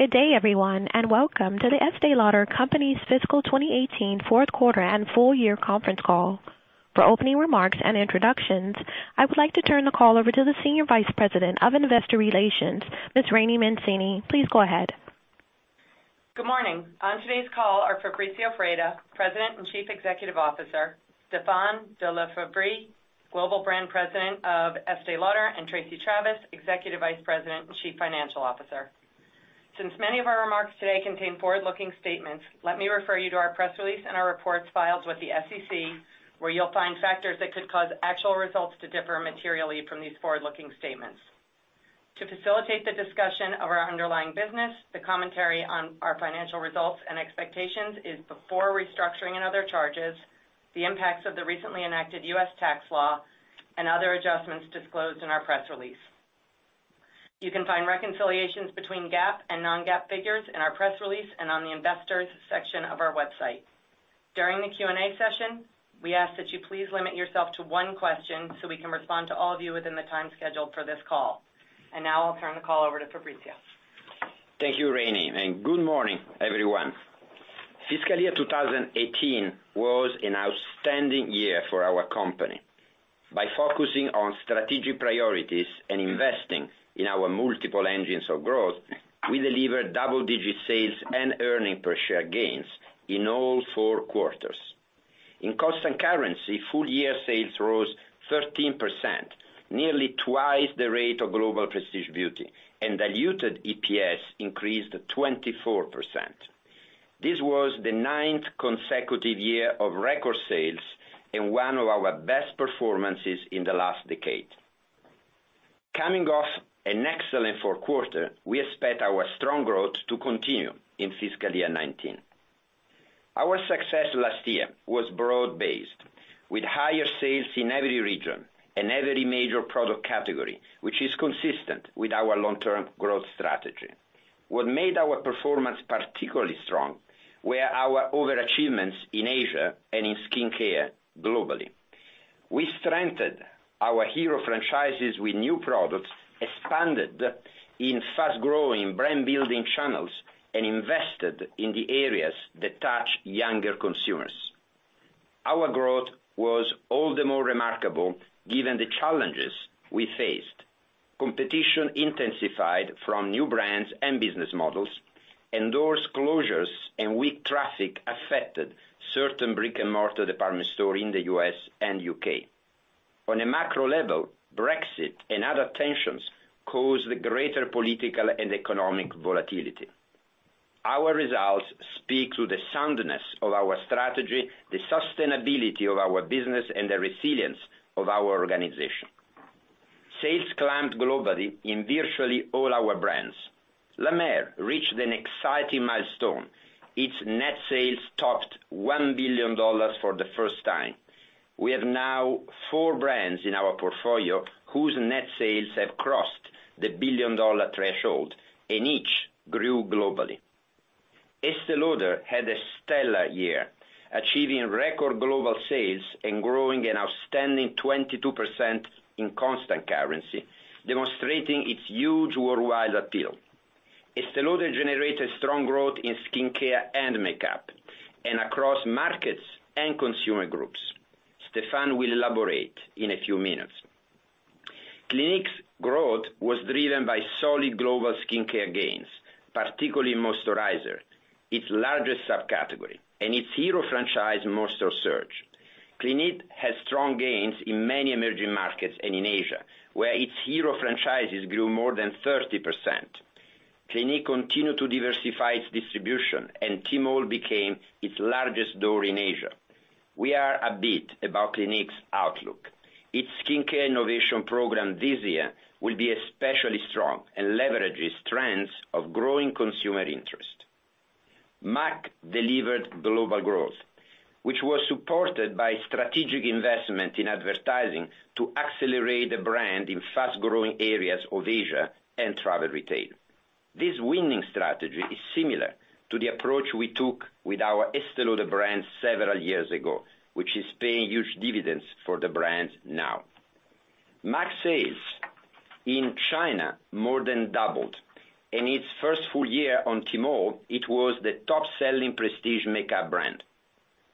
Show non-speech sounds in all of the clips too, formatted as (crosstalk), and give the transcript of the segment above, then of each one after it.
Good day, everyone, welcome to The Estée Lauder Companies fiscal 2018 fourth quarter and full year conference call. For opening remarks and introductions, I would like to turn the call over to the Senior Vice President of Investor Relations, Ms. Laraine Mancini. Please go ahead. Good morning. On today's call are Fabrizio Freda, President and Chief Executive Officer, Stéphane de La Faverie, Global Brand President of Estée Lauder, and Tracey Travis, Executive Vice President and Chief Financial Officer. Since many of our remarks today contain forward-looking statements, let me refer you to our press release and our reports filed with the SEC, where you'll find factors that could cause actual results to differ materially from these forward-looking statements. To facilitate the discussion of our underlying business, the commentary on our financial results and expectations is before restructuring and other charges, the impacts of the recently enacted U.S. tax law, and other adjustments disclosed in our press release. You can find reconciliations between GAAP and non-GAAP figures in our press release and on the investors section of our website. During the Q&A session, we ask that you please limit yourself to one question so we can respond to all of you within the time scheduled for this call. Now I'll turn the call over to Fabrizio. Thank you, Laraine, good morning, everyone. Fiscal year 2018 was an outstanding year for our company. By focusing on strategic priorities and investing in our multiple engines of growth, we delivered double-digit sales and earnings per share gains in all four quarters. In constant currency, full-year sales rose 13%, nearly twice the rate of global prestige beauty, diluted EPS increased 24%. This was the ninth consecutive year of record sales and one of our best performances in the last decade. Coming off an excellent fourth quarter, we expect our strong growth to continue in fiscal year 2019. Our success last year was broad-based, with higher sales in every region and every major product category, which is consistent with our long-term growth strategy. What made our performance particularly strong were our over-achievements in Asia and in skincare globally. We strengthened our hero franchises with new products, expanded in fast-growing brand building channels, and invested in the areas that touch younger consumers. Our growth was all the more remarkable given the challenges we faced. Competition intensified from new brands and business models, door closures and weak traffic affected certain brick and mortar department stores in the U.S. and U.K. On a macro level, Brexit and other tensions caused greater political and economic volatility. Our results speak to the soundness of our strategy, the sustainability of our business, and the resilience of our organization. Sales climbed globally in virtually all our brands. La Mer reached an exciting milestone. Its net sales topped $1 billion for the first time. We have now four brands in our portfolio whose net sales have crossed the billion-dollar threshold, and each grew globally. Estée Lauder had a stellar year, achieving record global sales and growing an outstanding 22% in constant currency, demonstrating its huge worldwide appeal. Estée Lauder generated strong growth in skincare and makeup, and across markets and consumer groups. Stéphane will elaborate in a few minutes. Clinique's growth was driven by solid global skincare gains, particularly moisturizer, its largest subcategory, and its hero franchise, Moisture Surge. Clinique has strong gains in many emerging markets and in Asia, where its hero franchises grew more than 30%. Clinique continued to diversify its distribution, and Tmall became its largest door in Asia. We are a bit about Clinique's outlook. Its skincare innovation program this year will be especially strong and leverages trends of growing consumer interest. M·A·C delivered global growth, which was supported by strategic investment in advertising to accelerate the brand in fast-growing areas of Asia and travel retail. This winning strategy is similar to the approach we took with our Estée Lauder brand several years ago, which is paying huge dividends for the brand now. M·A·C sales in China more than doubled. In its first full year on Tmall, it was the top-selling prestige makeup brand.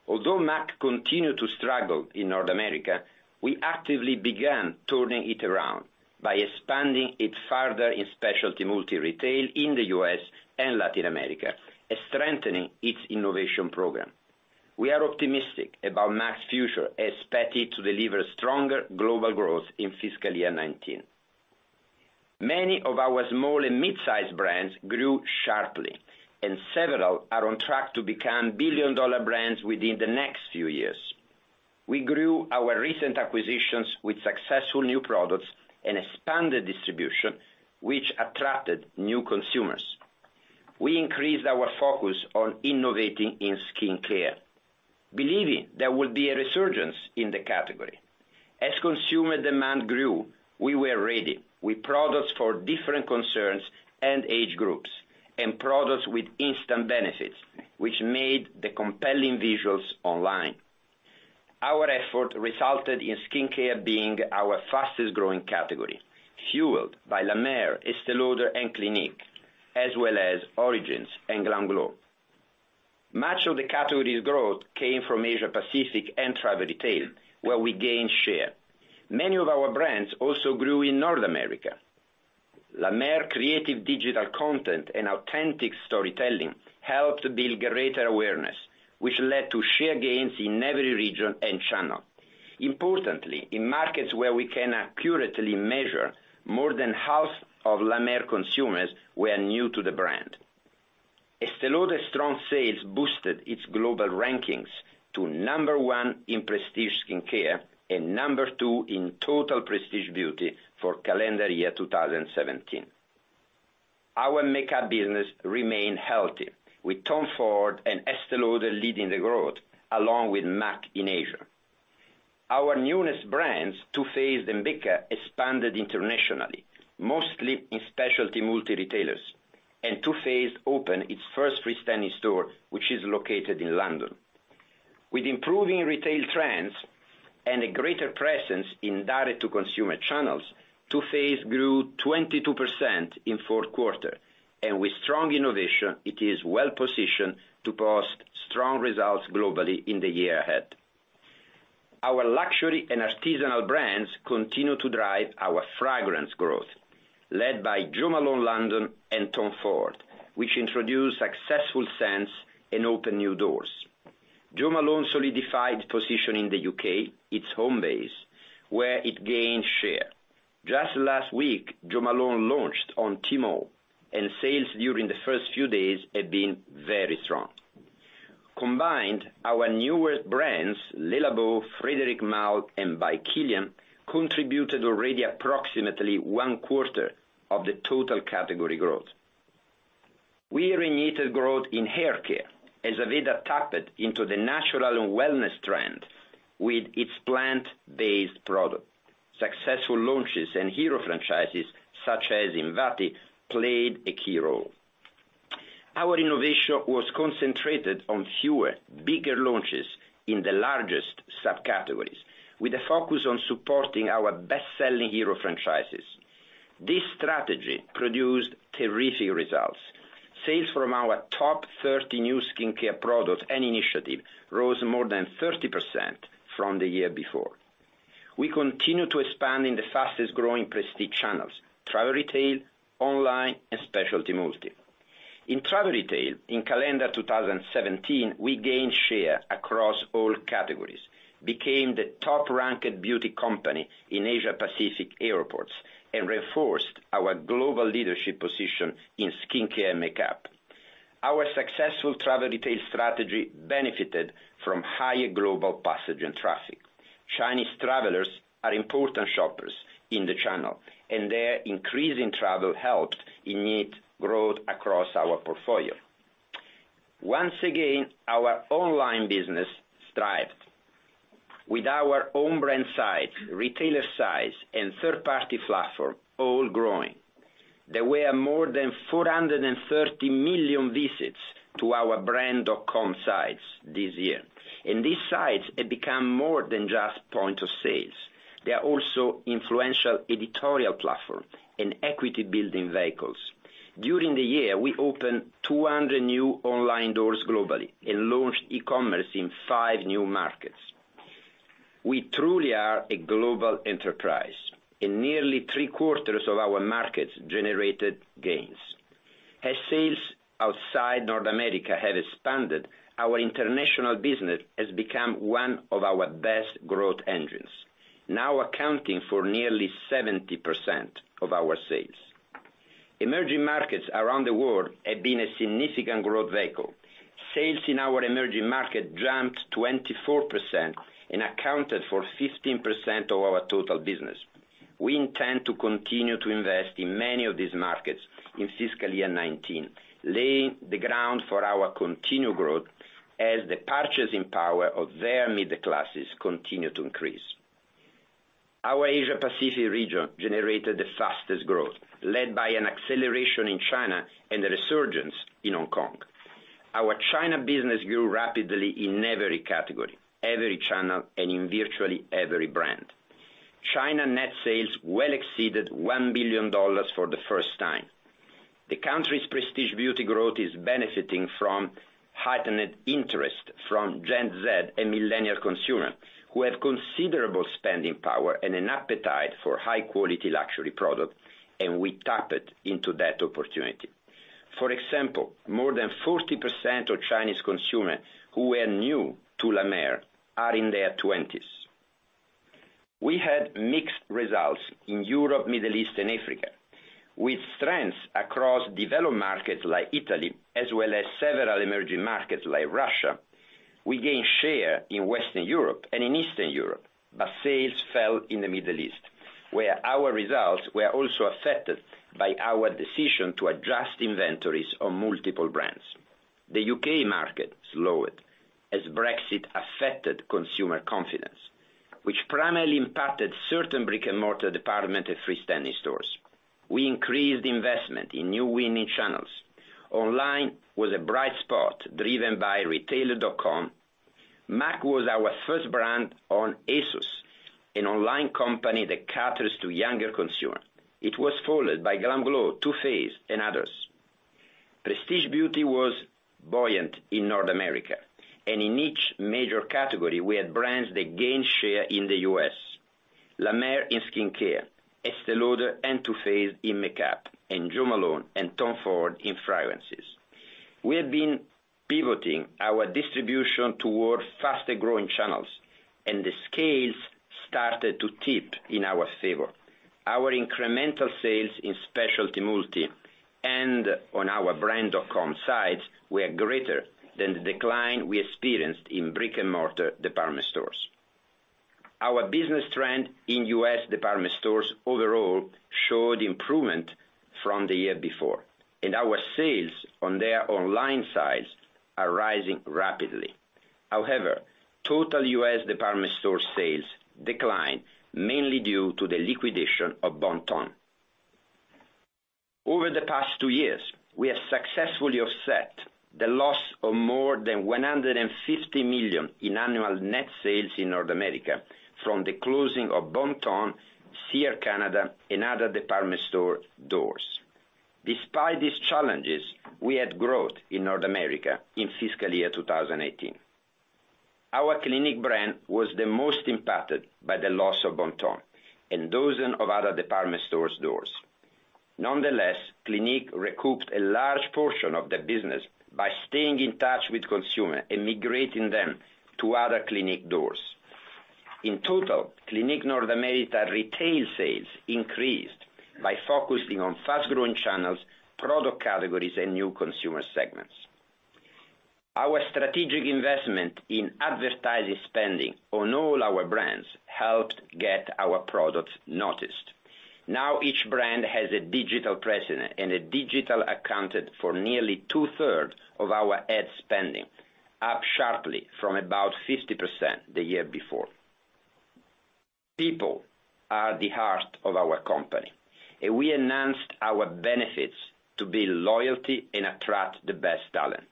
Although M·A·C continued to struggle in North America, we actively began turning it around by expanding it further in specialty multi-retail in the U.S. and Latin America, and strengthening its innovation program. We are optimistic about M·A·C's future, expect it to deliver stronger global growth in fiscal year 2019. Many of our small and mid-size brands grew sharply, and several are on track to become billion-dollar brands within the next few years. We grew our recent acquisitions with successful new products and expanded distribution, which attracted new consumers. We increased our focus on innovating in skincare, believing there will be a resurgence in the category. As consumer demand grew, we were ready with products for different concerns and age groups, and products with instant benefits, which made the compelling visuals online. Our effort resulted in skincare being our fastest-growing category, fueled by La Mer, Estée Lauder, and Clinique, as well as Origins and GLAMGLOW. Much of the category's growth came from Asia Pacific and travel retail, where we gained share. Many of our brands also grew in North America. La Mer creative digital content and authentic storytelling helped build greater awareness, which led to share gains in every region and channel. Importantly, in markets where we can accurately measure, more than half of La Mer consumers were new to the brand. Estée Lauder's strong sales boosted its global rankings to number one in prestige skincare, and number two in total prestige beauty for calendar year 2017. Our makeup business remained healthy, with Tom Ford and Estée Lauder leading the growth, along with M·A·C in Asia. Our newest brands, Too Faced and BECCA, expanded internationally, mostly in specialty multi-retailers. Too Faced opened its first freestanding store, which is located in London. With improving retail trends and a greater presence in direct-to-consumer channels, Too Faced grew 22% in fourth quarter. With strong innovation, it is well-positioned to post strong results globally in the year ahead. Our luxury and artisanal brands continue to drive our fragrance growth, led by Jo Malone London and Tom Ford, which introduced successful scents and opened new doors. Jo Malone solidified position in the U.K., its home base, where it gained share. Just last week, Jo Malone launched on Tmall. Sales during the first few days have been very strong. Combined, our newer brands, Le Labo, Frédéric Malle, and By Kilian, contributed already approximately one-quarter of the total category growth. We reignited growth in haircare as Aveda tapped into the natural and wellness trend with its plant-based product. Successful launches and hero franchises such as Invati played a key role. Our innovation was concentrated on fewer, bigger launches in the largest subcategories, with a focus on supporting our best-selling hero franchises. This strategy produced terrific results. Sales from our top 30 new skincare products and initiative rose more than 30% from the year before. We continue to expand in the fastest-growing prestige channels: travel retail, online, and specialty multi. In travel retail, in calendar 2017, we gained share across all categories, became the top-ranked beauty company in Asia Pacific airports, reinforced our global leadership position in skincare and makeup. Our successful travel retail strategy benefited from higher global passenger traffic. Chinese travelers are important shoppers in the channel. Their increasing travel helped ignite growth across our portfolio. Once again, our online business thrived. With our own brand sites, retailer sites, and third-party platform all growing. There were more than 430 million visits to our brand .com sites this year. These sites have become more than just point of sales. They are also influential editorial platform and equity-building vehicles. During the year, we opened 200 new online doors globally and launched e-commerce in five new markets. We truly are a global enterprise. Nearly three-quarters of our markets generated gains. As sales outside North America have expanded, our international business has become one of our best growth engines, now accounting for nearly 70% of our sales. Emerging markets around the world have been a significant growth vehicle. Sales in our emerging market jumped 24% and accounted for 15% of our total business. We intend to continue to invest in many of these markets in fiscal year 2019, laying the ground for our continued growth as the purchasing power of their middle classes continue to increase. Our Asia Pacific region generated the fastest growth, led by an acceleration in China and a resurgence in Hong Kong. Our China business grew rapidly in every category, every channel. In virtually every brand, China net sales well exceeded $1 billion for the first time. The country's prestige beauty growth is benefiting from heightened interest from Gen Z and millennial consumers who have considerable spending power and an appetite for high-quality luxury product. We tapped into that opportunity. For example, more than 40% of Chinese consumers who were new to La Mer are in their 20s. We had mixed results in Europe, Middle East, and Africa. With strengths across developed markets like Italy, as well as several emerging markets like Russia, we gained share in Western Europe and in Eastern Europe. Sales fell in the Middle East, where our results were also affected by our decision to adjust inventories on multiple brands. The U.K. market slowed as Brexit affected consumer confidence which primarily impacted certain brick-and-mortar department and freestanding stores. We increased investment in new winning channels. Online was a bright spot driven by retailer.com. M·A·C was our first brand on ASOS, an online company that caters to younger consumers. It was followed by GLAMGLOW, Too Faced, and others. Prestige beauty was buoyant in North America, and in each major category, we had brands that gained share in the U.S. La Mer in skincare, Estée Lauder and Too Faced in makeup, and Jo Malone and Tom Ford in fragrances. We have been pivoting our distribution towards faster-growing channels, and the scales started to tip in our favor. Our incremental sales in specialty multi and on our brand.com sites were greater than the decline we experienced in brick-and-mortar department stores. Our business trend in U.S. department stores overall showed improvement from the year before, and our sales on their online sites are rising rapidly. However, total U.S. department store sales declined mainly due to the liquidation of Bon-Ton. Over the past 2 years, we have successfully offset the loss of more than $150 million in annual net sales in North America from the closing of Bon-Ton, Sears Canada, and other department store doors. Despite these challenges, we had growth in North America in fiscal year 2018. Our Clinique brand was the most impacted by the loss of Bon-Ton and dozens of other department store doors. Nonetheless, Clinique recouped a large portion of the business by staying in touch with consumers and migrating them to other Clinique doors. In total, Clinique North America retail sales increased by focusing on fast-growing channels, product categories, and new consumer segments. Our strategic investment in advertising spending on all our brands helped get our products noticed. Now each brand has a digital presence, and digital accounted for nearly two-thirds of our ad spending, up sharply from about 50% the year before. People are the heart of our company. We enhanced our benefits to build loyalty and attract the best talent.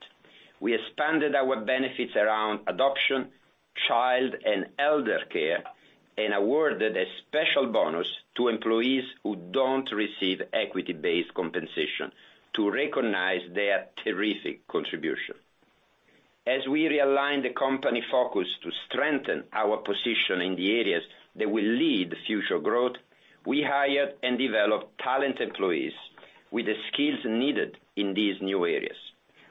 We expanded our benefits around adoption, child and elder care, and awarded a special bonus to employees who do not receive equity-based compensation to recognize their terrific contribution. As we realigned the company focus to strengthen our position in the areas that will lead future growth, we hired and developed talent employees with the skills needed in these new areas.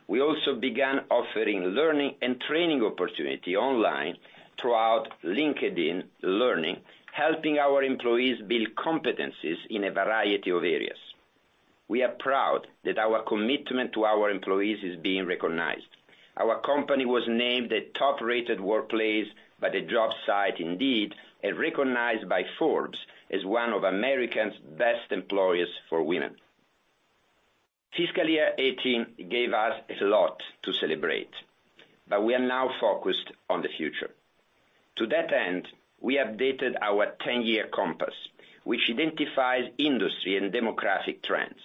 We also began offering learning and training opportunity online throughout LinkedIn Learning, helping our employees build competencies in a variety of areas. We are proud that our commitment to our employees is being recognized. Our company was named a top-rated workplace by the job site Indeed and recognized by Forbes as one of America's best employers for women. Fiscal year 2018 gave us a lot to celebrate. We are now focused on the future. To that end, we updated our 10-year compass, which identifies industry and demographic trends.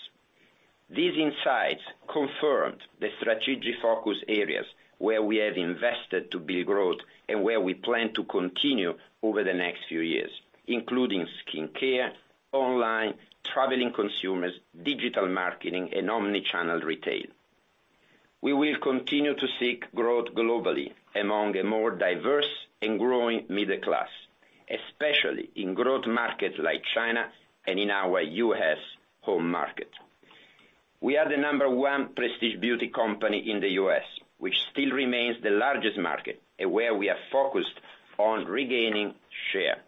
These insights confirmed the strategic focus areas where we have invested to build growth and where we plan to continue over the next few years, including skincare, online, traveling consumers, digital marketing, and omni-channel retail. We will continue to seek growth globally among a more diverse and growing middle class, especially in growth markets like China and in our U.S. home market. We are the number 1 prestige beauty company in the U.S., which still remains the largest market and where we are focused on regaining share.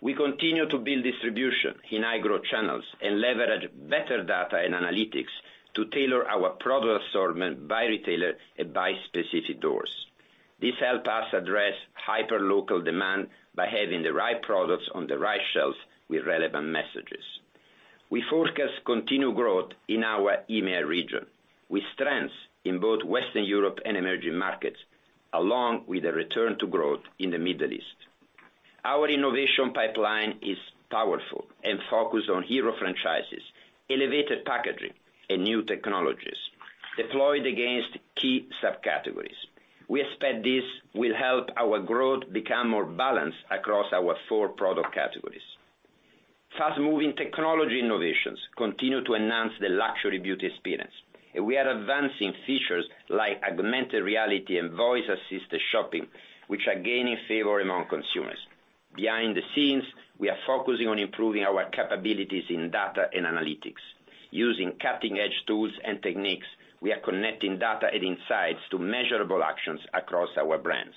We continue to build distribution in high-growth channels and leverage better data and analytics to tailor our product assortment by retailer and by specific doors. This helps us address hyperlocal demand by having the right products on the right shelves with relevant messages. We forecast continued growth in our EMEA region, with strengths in both Western Europe and emerging markets, along with a return to growth in the Middle East. Our innovation pipeline is powerful and focused on hero franchises, elevated packaging, and new technologies deployed against key subcategories. We expect this will help our growth become more balanced across our 4 product categories. Fast-moving technology innovations continue to enhance the luxury beauty experience, and we are advancing features like augmented reality and voice-assisted shopping, which are gaining favor among consumers. Behind the scenes, we are focusing on improving our capabilities in data and analytics. Using cutting-edge tools and techniques, we are connecting data and insights to measurable actions across our brands.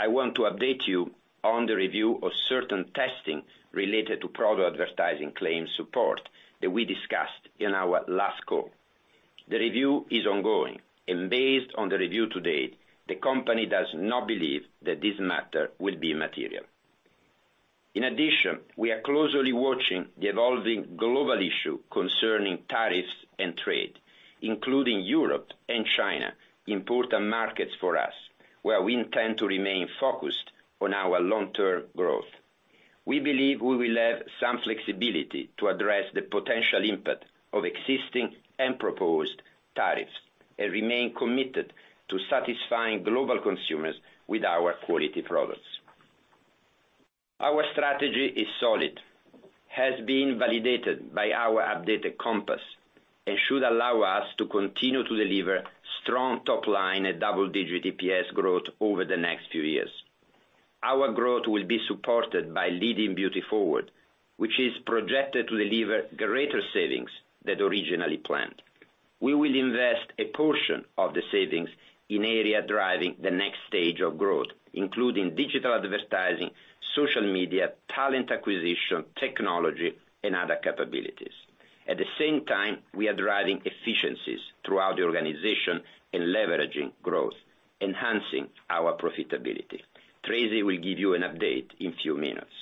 I want to update you on the review of certain testing related to product advertising claims support that we discussed in our last call. The review is ongoing. Based on the review to date, the company does not believe that this matter will be material. We are closely watching the evolving global issue concerning tariffs and trade, including Europe and China, important markets for us, where we intend to remain focused on our long-term growth. We believe we will have some flexibility to address the potential impact of existing and proposed tariffs. We remain committed to satisfying global consumers with our quality products. Our strategy is solid, has been validated by our updated compass, and should allow us to continue to deliver strong top line and double-digit EPS growth over the next few years. Our growth will be supported by Leading Beauty Forward, which is projected to deliver greater savings than originally planned. We will invest a portion of the savings in areas driving the next stage of growth, including digital advertising, social media, talent acquisition, technology, and other capabilities. We are driving efficiencies throughout the organization and leveraging growth, enhancing our profitability. Tracey will give you an update in a few minutes.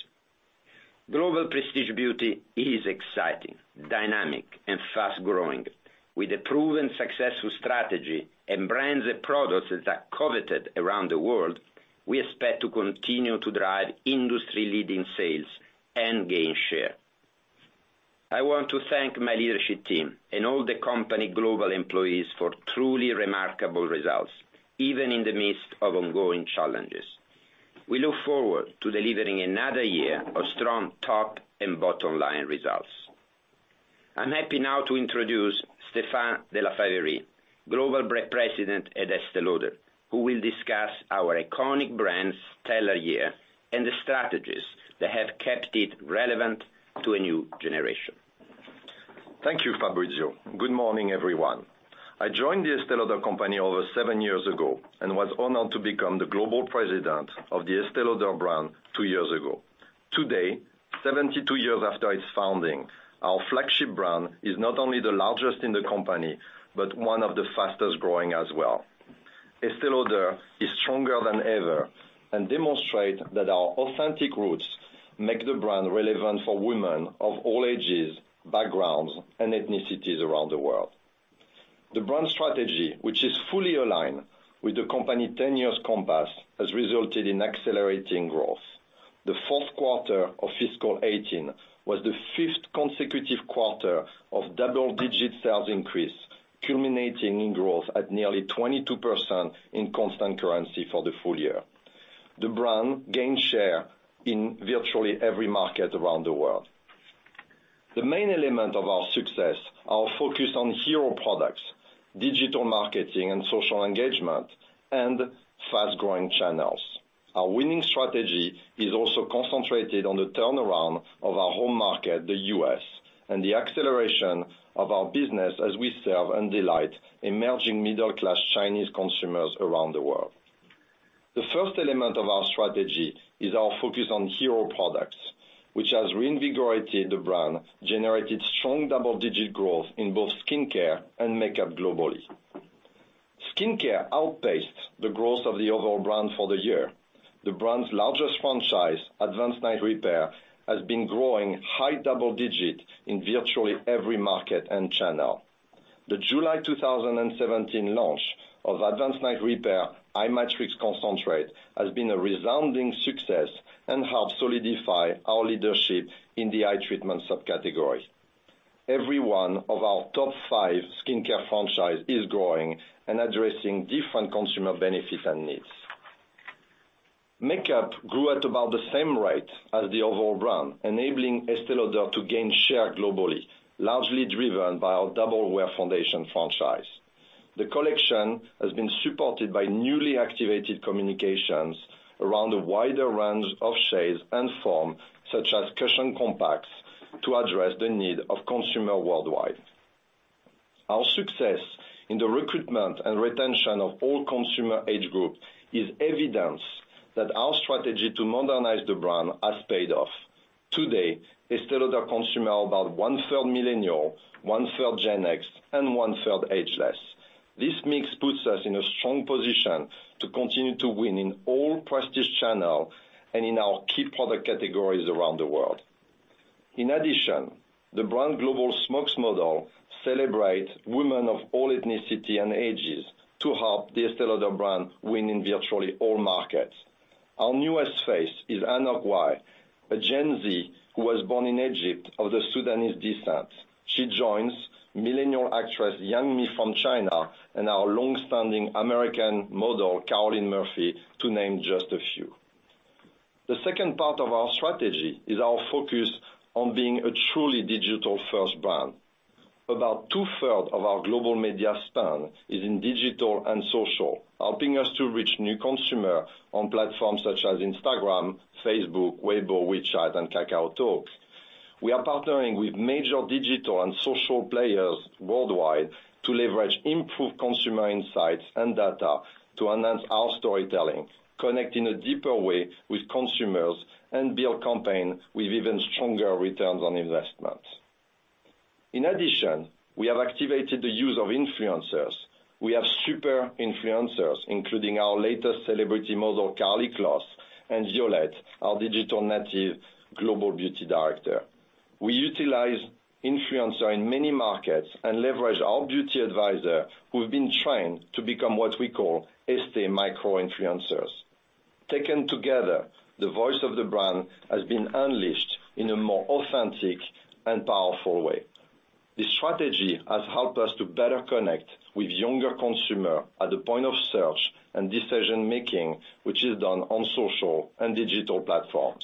Global prestige beauty is exciting, dynamic, and fast-growing. With a proven successful strategy and brands and products that are coveted around the world, we expect to continue to drive industry-leading sales and gain share. I want to thank my leadership team and all the company global employees for truly remarkable results, even in the midst of ongoing challenges. We look forward to delivering another year of strong top and bottom line results. I'm happy now to introduce Stéphane de La Faverie, Global President at Estée Lauder, who will discuss our iconic brand's stellar year and the strategies that have kept it relevant to a new generation. Thank you, Fabrizio. Good morning, everyone. I joined The Estée Lauder Companies over seven years ago, and was honored to become the Global President of the Estée Lauder brand two years ago. Today, 72 years after its founding, our flagship brand is not only the largest in the company, but one of the fastest-growing as well. Estée Lauder is stronger than ever and demonstrates that our authentic roots make the brand relevant for women of all ages, backgrounds, and ethnicities around the world. The brand strategy, which is fully aligned with the company's 10-year compass, has resulted in accelerating growth. The fourth quarter of fiscal 2018 was the fifth consecutive quarter of double-digit sales increase, culminating in growth at nearly 22% in constant currency for the full year. The brand gained share in virtually every market around the world. The main elements of our success are focused on hero products, digital marketing and social engagement, and fast-growing channels. Our winning strategy is also concentrated on the turnaround of our home market, the U.S., and the acceleration of our business as we serve and delight emerging middle-class Chinese consumers around the world. The first element of our strategy is our focus on hero products, which has reinvigorated the brand, generated strong double-digit growth in both skincare and makeup globally. Skincare outpaced the growth of the overall brand for the year. The brand's largest franchise, Advanced Night Repair, has been growing high double digits in virtually every market and channel. The July 2017 launch of Advanced Night Repair Eye Concentrate Matrix has been a resounding success and helped solidify our leadership in the eye treatment subcategory. Every one of our top five skincare franchises is growing and addressing different consumer benefits and needs. Makeup grew at about the same rate as the overall brand, enabling Estée Lauder to gain share globally, largely driven by our Double Wear foundation franchise. The collection has been supported by newly activated communications around a wider range of shades and forms, such as cushion compacts, to address the needs of consumers worldwide. Our success in the recruitment and retention of all consumer age groups is evidence that our strategy to modernize the brand has paid off. Today, Estée Lauder consumers are about one-third Millennial, one-third Gen X, and one-third ageless. This mix puts us in a strong position to continue to win in all prestige channels and in our key product categories around the world. In addition, the brand's global spokesmodel celebrates women of all ethnicities and ages to help the Estée Lauder brand win in virtually all markets. Our newest face is Anok Yai, a Gen Z who was born in Egypt of Sudanese descent. She joins millennial actress Yang Mi from China and our long-standing American model, Carolyn Murphy, to name just a few. The second part of our strategy is our focus on being a truly digital-first brand. About two-thirds of our global media spend is in digital and social, helping us to reach new consumers on platforms such as Instagram, Facebook, Weibo, WeChat, and KakaoTalk. We are partnering with major digital and social players worldwide to leverage improved consumer insights and data to enhance our storytelling, connect in a deeper way with consumers, and build campaigns with even stronger returns on ROI. In addition, we have activated the use of influencers. We have super influencers, including our latest celebrity model, Karlie Kloss, and Violette, our digital native global beauty director. We utilize influencer in many markets and leverage our beauty advisor, who have been trained to become what we call Estée micro influencers. Taken together, the voice of the brand has been unleashed in a more authentic and powerful way. This strategy has helped us to better connect with younger consumer at the point of search and decision making, which is done on social and digital platforms.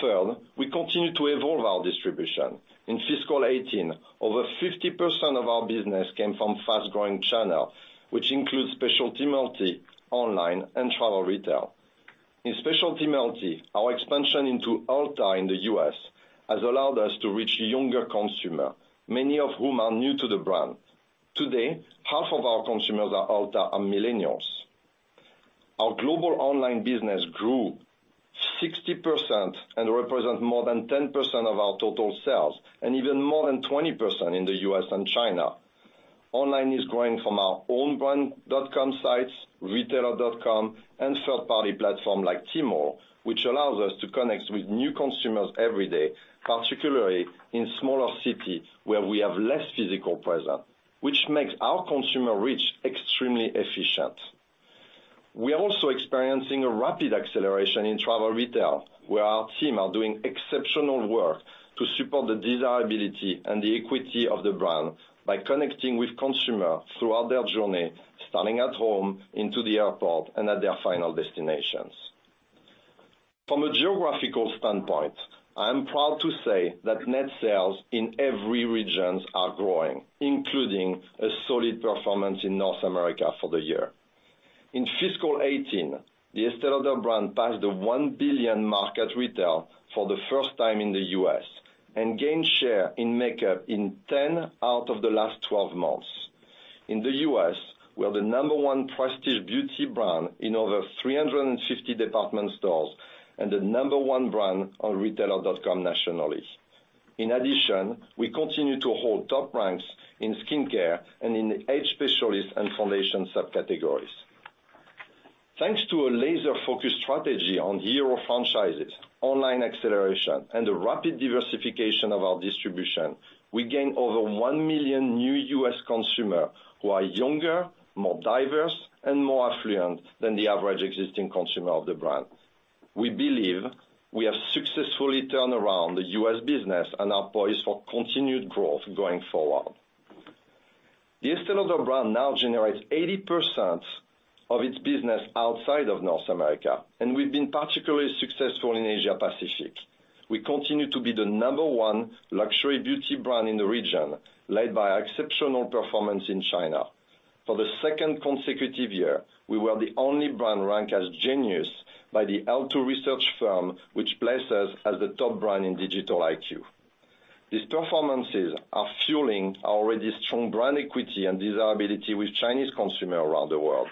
Third, we continue to evolve our distribution. In fiscal 2018, over 50% of our business came from fast-growing channel, which includes specialty multi, online, and travel retail. In specialty multi, our expansion into Ulta in the U.S. has allowed us to reach younger consumer, many of whom are new to the brand. Today, half of our consumers at Ulta are millennials. Our global online business grew 60% and represents more than 10% of our total sales, and even more than 20% in the U.S. and China. Online is growing from our own brand .com sites, retailer.com, and third-party platform like Tmall, which allows us to connect with new consumers every day, particularly in smaller cities where we have less physical presence, which makes our consumer reach extremely efficient. We are also experiencing a rapid acceleration in travel retail, where our team are doing exceptional work to support the desirability and the equity of the brand by connecting with consumer throughout their journey, starting at home into the airport and at their final destinations. From a geographical standpoint, I'm proud to say that net sales in every regions are growing, including a solid performance in North America for the year. In fiscal 2018, the Estée Lauder brand passed the $1 billion mark at retail for the first time in the U.S., and gained share in makeup in 10 out of the last 12 months. In the U.S., we are the number one prestige beauty brand in over 350 department stores, and the number one brand on retailer.com nationally. In addition, we continue to hold top ranks in skincare and in age specialist and foundation subcategories. Thanks to a laser-focused strategy on hero franchises, online acceleration, and the rapid diversification of our distribution, we gained over 1 million new U.S. consumer who are younger, more diverse, and more affluent than the average existing consumer of the brand. We believe we have successfully turned around the U.S. business and are poised for continued growth going forward. The Estée Lauder brand now generates 80% of its business outside of North America, and we've been particularly successful in Asia Pacific. We continue to be the number one luxury beauty brand in the region, led by exceptional performance in China. For the second consecutive year, we were the only brand ranked as genius by the L2 Inc. research firm, which placed us as the top brand in digital IQ. These performances are fueling our already strong brand equity and desirability with Chinese consumer around the world.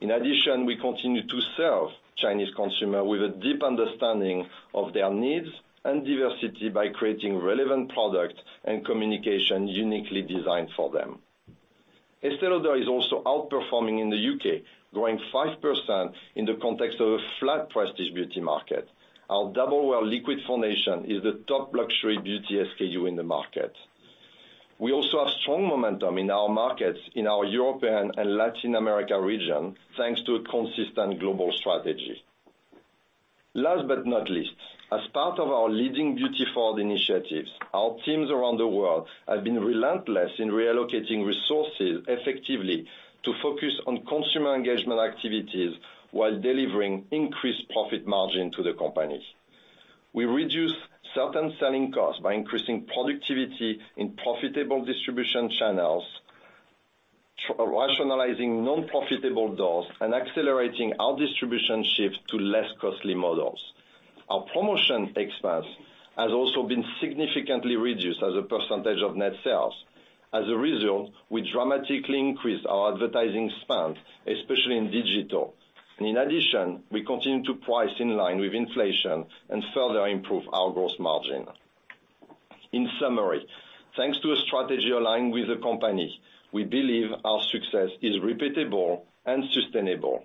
In addition, we continue to serve Chinese consumer with a deep understanding of their needs and diversity by creating relevant product and communication uniquely designed for them. Estée Lauder is also outperforming in the U.K., growing 5% in the context of a flat prestige beauty market. Our Double Wear liquid foundation is the top luxury beauty SKU in the market. We also have strong momentum in our markets in our European and Latin America region, thanks to a consistent global strategy. Last but not least, as part of our Leading Beauty Forward initiatives, our teams around the world have been relentless in reallocating resources effectively to focus on consumer engagement activities while delivering increased profit margin to the companies. We reduce certain selling costs by increasing productivity in profitable distribution channels, rationalizing non-profitable doors, and accelerating our distribution shift to less costly models. Our promotion expense has also been significantly reduced as a percentage of net sales. As a result, we dramatically increased our advertising spend, especially in digital. In addition, we continue to price in line with inflation and further improve our gross margin. In summary, thanks to a strategy aligned with the company, we believe our success is repeatable and sustainable.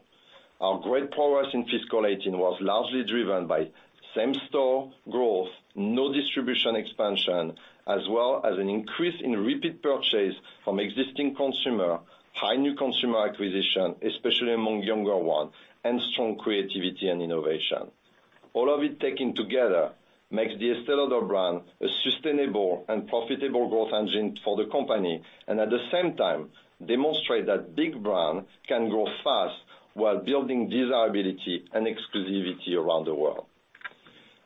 Our great progress in fiscal 2018 was largely driven by same store growth, no distribution expansion, as well as an increase in repeat purchase from existing consumer, high new consumer acquisition, especially among younger one, and strong creativity and innovation. All of it taken together makes the Estée Lauder brand a sustainable and profitable growth engine for the company, and at the same time, demonstrate that big brand can grow fast while building desirability and exclusivity around the world.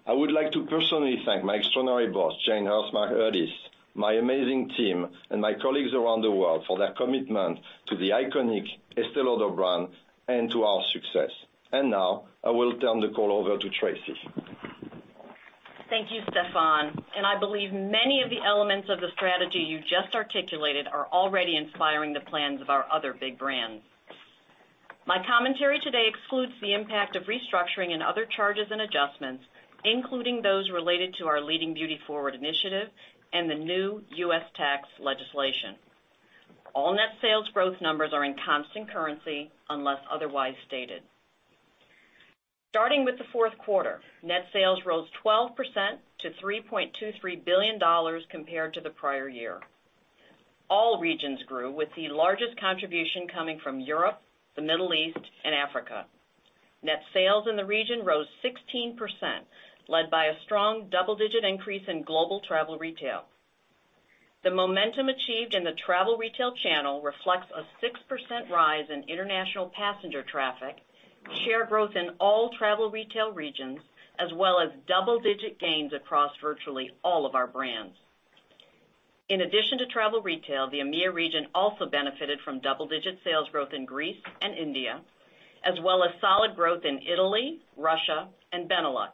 I would like to personally thank my extraordinary boss, Jane Hertzmark Hudis, my amazing team, and my colleagues around the world for their commitment to the iconic Estée Lauder brand and to our success. Now, I will turn the call over to Tracey. Thank you, Stéphane. I believe many of the elements of the strategy you just articulated are already inspiring the plans of our other big brands My commentary today excludes the impact of restructuring and other charges and adjustments, including those related to our Leading Beauty Forward initiative and the new U.S. tax legislation. All net sales growth numbers are in constant currency unless otherwise stated. Starting with the fourth quarter, net sales rose 12% to $3.23 billion compared to the prior year. All regions grew, with the largest contribution coming from Europe, the Middle East, and Africa. Net sales in the region rose 16%, led by a strong double-digit increase in global travel retail. The momentum achieved in the travel retail channel reflects a 6% rise in international passenger traffic, share growth in all travel retail regions, as well as double-digit gains across virtually all of our brands. In addition to travel retail, the EMEIA region also benefited from double-digit sales growth in Greece and India, as well as solid growth in Italy, Russia, and Benelux.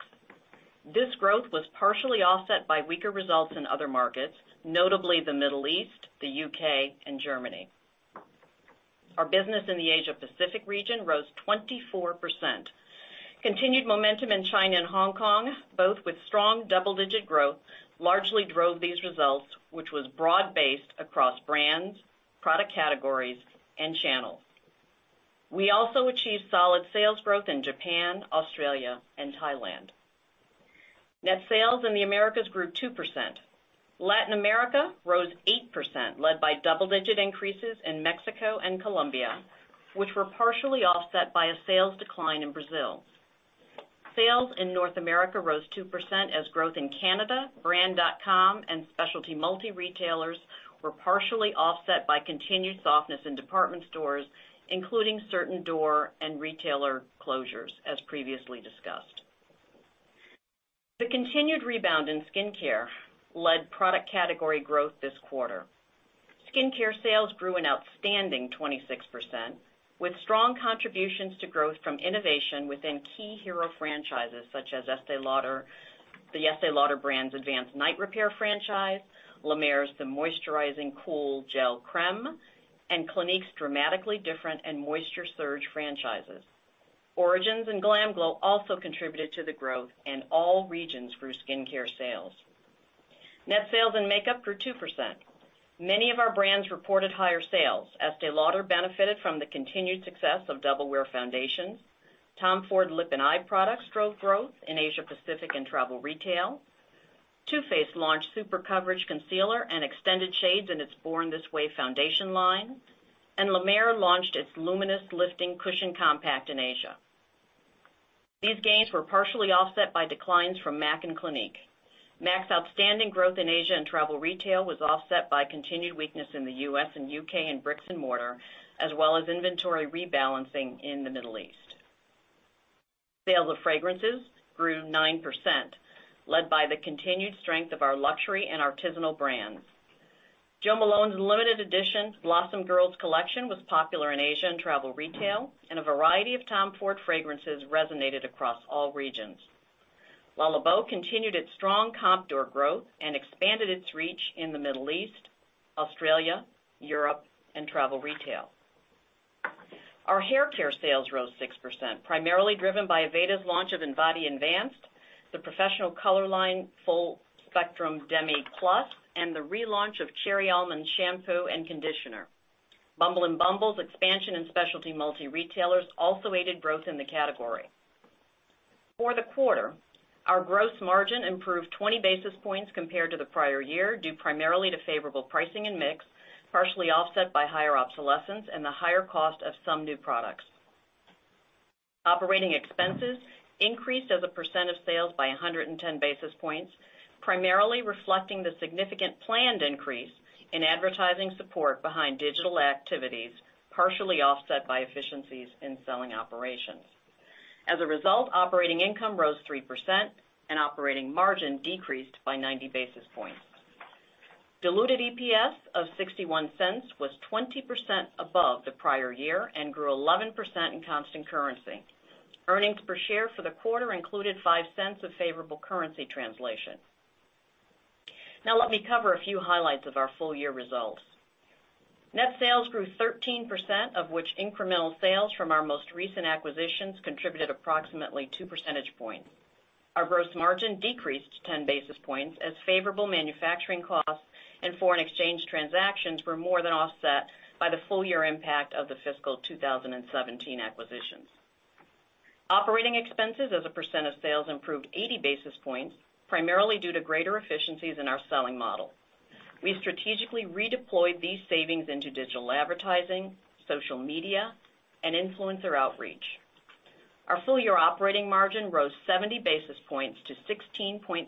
This growth was partially offset by weaker results in other markets, notably the Middle East, the U.K., and Germany. Our business in the Asia Pacific region rose 24%. Continued momentum in China and Hong Kong, both with strong double-digit growth, largely drove these results, which was broad-based across brands, product categories, and channels. We also achieved solid sales growth in Japan, Australia, and Thailand. Net sales in the Americas grew 2%. Latin America rose 8%, led by double-digit increases in Mexico and Colombia, which were partially offset by a sales decline in Brazil. Sales in North America rose 2% as growth in Canada, brand.com, and specialty multi-retailers were partially offset by continued softness in department stores, including certain door and retailer closures, as previously discussed. The continued rebound in skincare led product category growth this quarter. Skincare sales grew an outstanding 26%, with strong contributions to growth from innovation within key hero franchises such as The Estée Lauder brand's Advanced Night Repair franchise, La Mer's The Moisturizing Cool Gel Cream, and Clinique's Dramatically Different and Moisture Surge franchises. Origins and GLAMGLOW also contributed to the growth, and all regions grew skincare sales. Net sales in makeup grew 2%. Many of our brands reported higher sales. Estée Lauder benefited from the continued success of Double Wear foundations. Tom Ford lip and eye products drove growth in Asia Pacific and travel retail. Too Faced launched super coverage concealer and extended shades in its Born This Way foundation line. La Mer launched its Luminous Lifting Cushion Compact in Asia. These gains were partially offset by declines from M·A·C and Clinique. M·A·C's outstanding growth in Asia and travel retail was offset by continued weakness in the U.S. and U.K. in bricks and mortar, as well as inventory rebalancing in the Middle East. Sales of fragrances grew 9%, led by the continued strength of our luxury and artisanal brands. Jo Malone's limited edition Blossom Girls collection was popular in Asia and travel retail, and a variety of Tom Ford fragrances resonated across all regions. Le Labo continued its strong comp door growth and expanded its reach in the Middle East, Australia, Europe, and travel retail. Our haircare sales rose 6%, primarily driven by Aveda's launch of Invati Advanced, the professional color line Full Spectrum Demi+, and the relaunch of Cherry Almond shampoo and conditioner. Bumble and bumble's expansion in specialty multi-retailers also aided growth in the category. For the quarter, our gross margin improved 20 basis points compared to the prior year, due primarily to favorable pricing and mix, partially offset by higher obsolescence and the higher cost of some new products. Operating expenses increased as a percent of sales by 110 basis points, primarily reflecting the significant planned increase in advertising support behind digital activities, partially offset by efficiencies in selling operations. As a result, operating income rose 3% and operating margin decreased by 90 basis points. Diluted EPS of $0.61 was 20% above the prior year and grew 11% in constant currency. Earnings per share for the quarter included $0.05 of favorable currency translation. Let me cover a few highlights of our full-year results. Net sales grew 13%, of which incremental sales from our most recent acquisitions contributed approximately two percentage points. Our gross margin decreased 10 basis points as favorable manufacturing costs and foreign exchange transactions were more than offset by the full-year impact of the fiscal 2017 acquisitions. Operating expenses as a percent of sales improved 80 basis points, primarily due to greater efficiencies in our selling model. We strategically redeployed these savings into digital advertising, social media, and influencer outreach. Our full-year operating margin rose 70 basis points to 16.6%.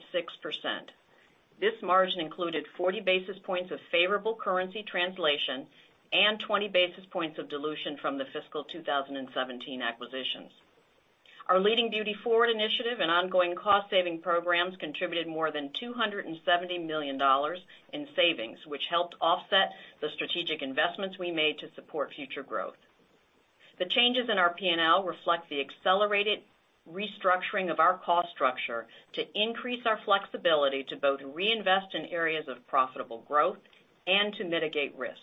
This margin included 40 basis points of favorable currency translation and 20 basis points of dilution from the fiscal 2017 acquisitions. Our Leading Beauty Forward initiative and ongoing cost-saving programs contributed more than $270 million in savings, which helped offset the strategic investments we made to support future growth. The changes in our P&L reflect the accelerated restructuring of our cost structure to increase our flexibility to both reinvest in areas of profitable growth and to mitigate risk.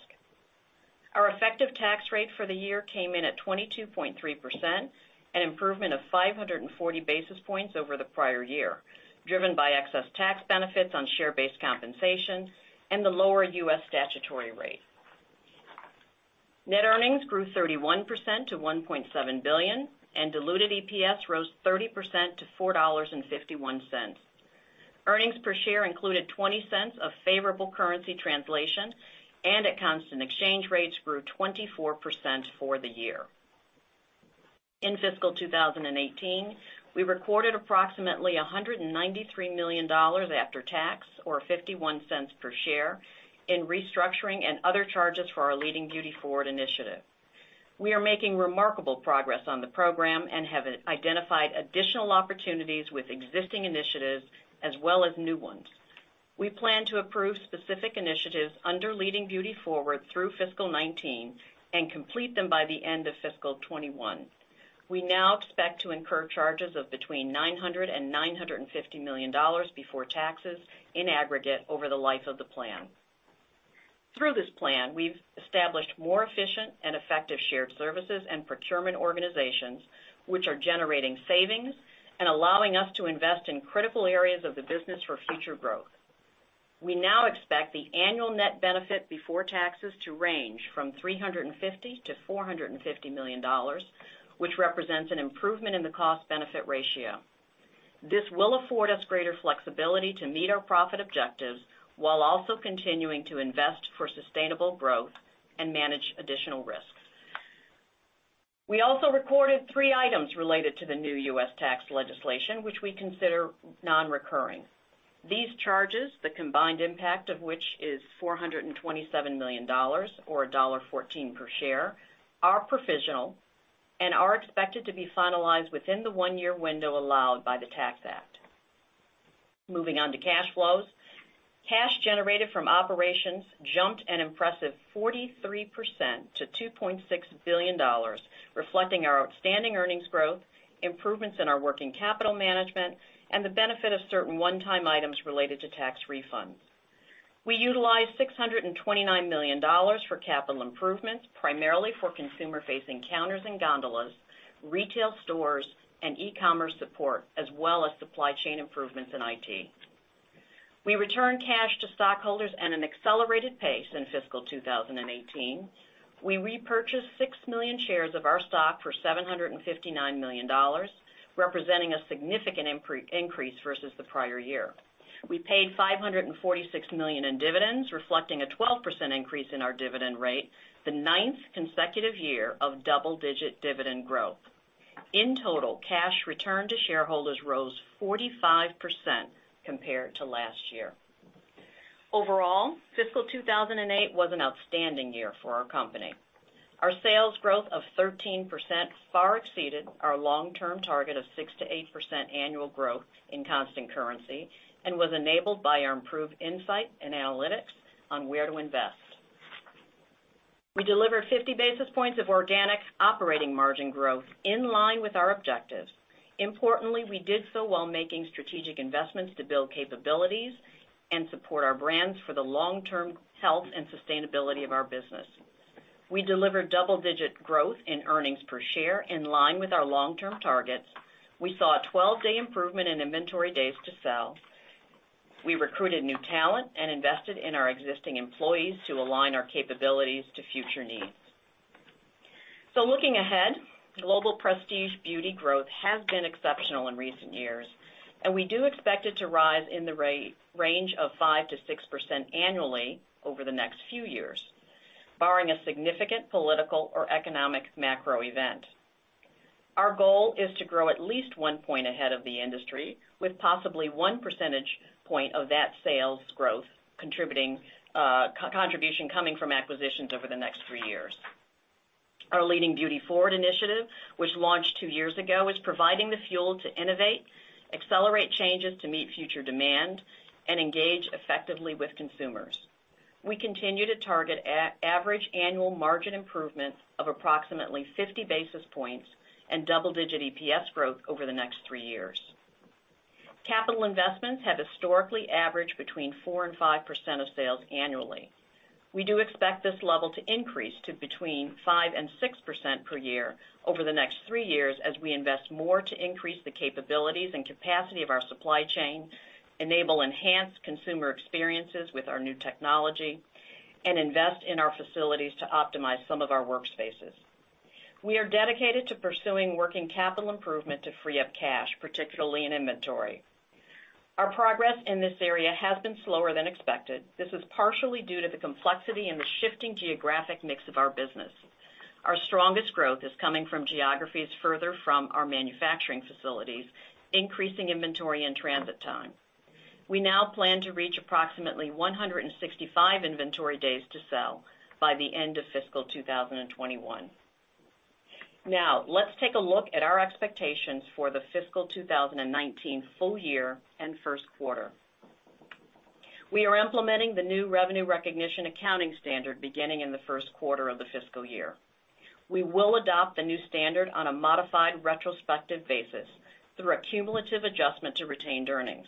Our effective tax rate for the year came in at 22.3%, an improvement of 540 basis points over the prior year, driven by excess tax benefits on share-based compensation and the lower U.S. statutory rate. Net earnings grew 31% to $1.7 billion, and diluted EPS rose 30% to $4.51. Earnings per share included $0.20 of favorable currency translation, and at constant exchange rates grew 24% for the year. In fiscal 2018, we recorded approximately $193 million after tax, or $0.51 per share, in restructuring and other charges for our Leading Beauty Forward initiative. We are making remarkable progress on the program and have identified additional opportunities with existing initiatives as well as new ones. We plan to approve specific initiatives under Leading Beauty Forward through fiscal 2019 and complete them by the end of fiscal 2021. We now expect to incur charges of between $900 million and $950 million before taxes in aggregate over the life of the plan. Through this plan, we've established more efficient and effective shared services and procurement organizations, which are generating savings and allowing us to invest in critical areas of the business for future growth. We now expect the annual net benefit before taxes to range from $350 million-$450 million, which represents an improvement in the cost-benefit ratio. This will afford us greater flexibility to meet our profit objectives while also continuing to invest for sustainable growth and manage additional risks. We also recorded three items related to the new U.S. tax legislation, which we consider non-recurring. These charges, the combined impact of which is $427 million, or $1.14 per share, are provisional and are expected to be finalized within the one-year window allowed by the Tax Act. Moving on to cash flows. Cash generated from operations jumped an impressive 43% to $2.6 billion, reflecting our outstanding earnings growth, improvements in our working capital management, and the benefit of certain one-time items related to tax refunds. We utilized $629 million for capital improvements, primarily for consumer-facing counters and gondolas, retail stores, and e-commerce support, as well as supply chain improvements in IT. We returned cash to stockholders at an accelerated pace in fiscal 2018. We repurchased 6 million shares of our stock for $759 million, representing a significant increase versus the prior year. We paid $546 million in dividends, reflecting a 12% increase in our dividend rate, the ninth consecutive year of double-digit dividend growth. In total, cash returned to shareholders rose 45% compared to last year. Overall, fiscal 2018 was an outstanding year for our company. Our sales growth of 13% far exceeded our long-term target of 6%-8% annual growth in constant currency and was enabled by our improved insight and analytics on where to invest. We delivered 50 basis points of organic operating margin growth in line with our objectives. Importantly, we did so while making strategic investments to build capabilities and support our brands for the long-term health and sustainability of our business. We delivered double-digit growth in earnings per share in line with our long-term targets. We saw a 12-day improvement in inventory days to sell. We recruited new talent and invested in our existing employees to align our capabilities to future needs. Looking ahead, global prestige beauty growth has been exceptional in recent years, and we do expect it to rise in the range of 5%-6% annually over the next few years, barring a significant political or economic macro event. Our goal is to grow at least one point ahead of the industry, with possibly one percentage point of that sales growth contribution coming from acquisitions over the next three years. Our Leading Beauty Forward initiative, which launched two years ago, is providing the fuel to innovate, accelerate changes to meet future demand, and engage effectively with consumers. We continue to target average annual margin improvement of approximately 50 basis points and double-digit EPS growth over the next three years. Capital investments have historically averaged between 4%-5% of sales annually. We do expect this level to increase to between 5%-6% per year over the next three years as we invest more to increase the capabilities and capacity of our supply chain, enable enhanced consumer experiences with our new technology, and invest in our facilities to optimize some of our workspaces. We are dedicated to pursuing working capital improvement to free up cash, particularly in inventory. Our progress in this area has been slower than expected. This is partially due to the complexity and the shifting geographic mix of our business. Our strongest growth is coming from geographies further from our manufacturing facilities, increasing inventory and transit time. We now plan to reach approximately 165 inventory days to sell by the end of fiscal 2021. Let's take a look at our expectations for the fiscal 2019 full year and first quarter. We are implementing the new revenue recognition accounting standard beginning in the first quarter of the fiscal year. We will adopt the new standard on a modified retrospective basis through a cumulative adjustment to retained earnings.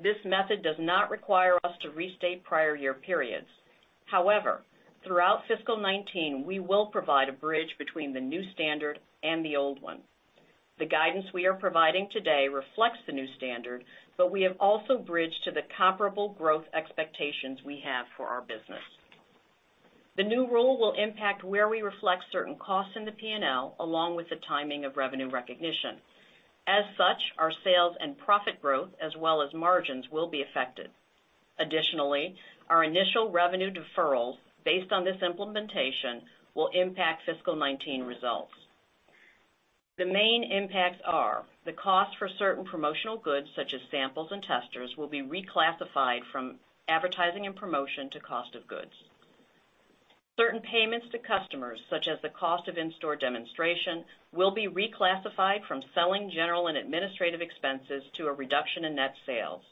This method does not require us to restate prior year periods. However, throughout fiscal 2019, we will provide a bridge between the new standard and the old one. The guidance we are providing today reflects the new standard, but we have also bridged to the comparable growth expectations we have for our business. The new rule will impact where we reflect certain costs in the P&L, along with the timing of revenue recognition. As such, our sales and profit growth, as well as margins, will be affected. Additionally, our initial revenue deferrals based on this implementation will impact fiscal 2019 results. The main impacts are the cost for certain promotional goods, such as samples and testers, will be reclassified from Advertising and Promotion to cost of goods. Certain payments to customers, such as the cost of in-store demonstration, will be reclassified from selling, general, and administrative expenses to a reduction in net sales.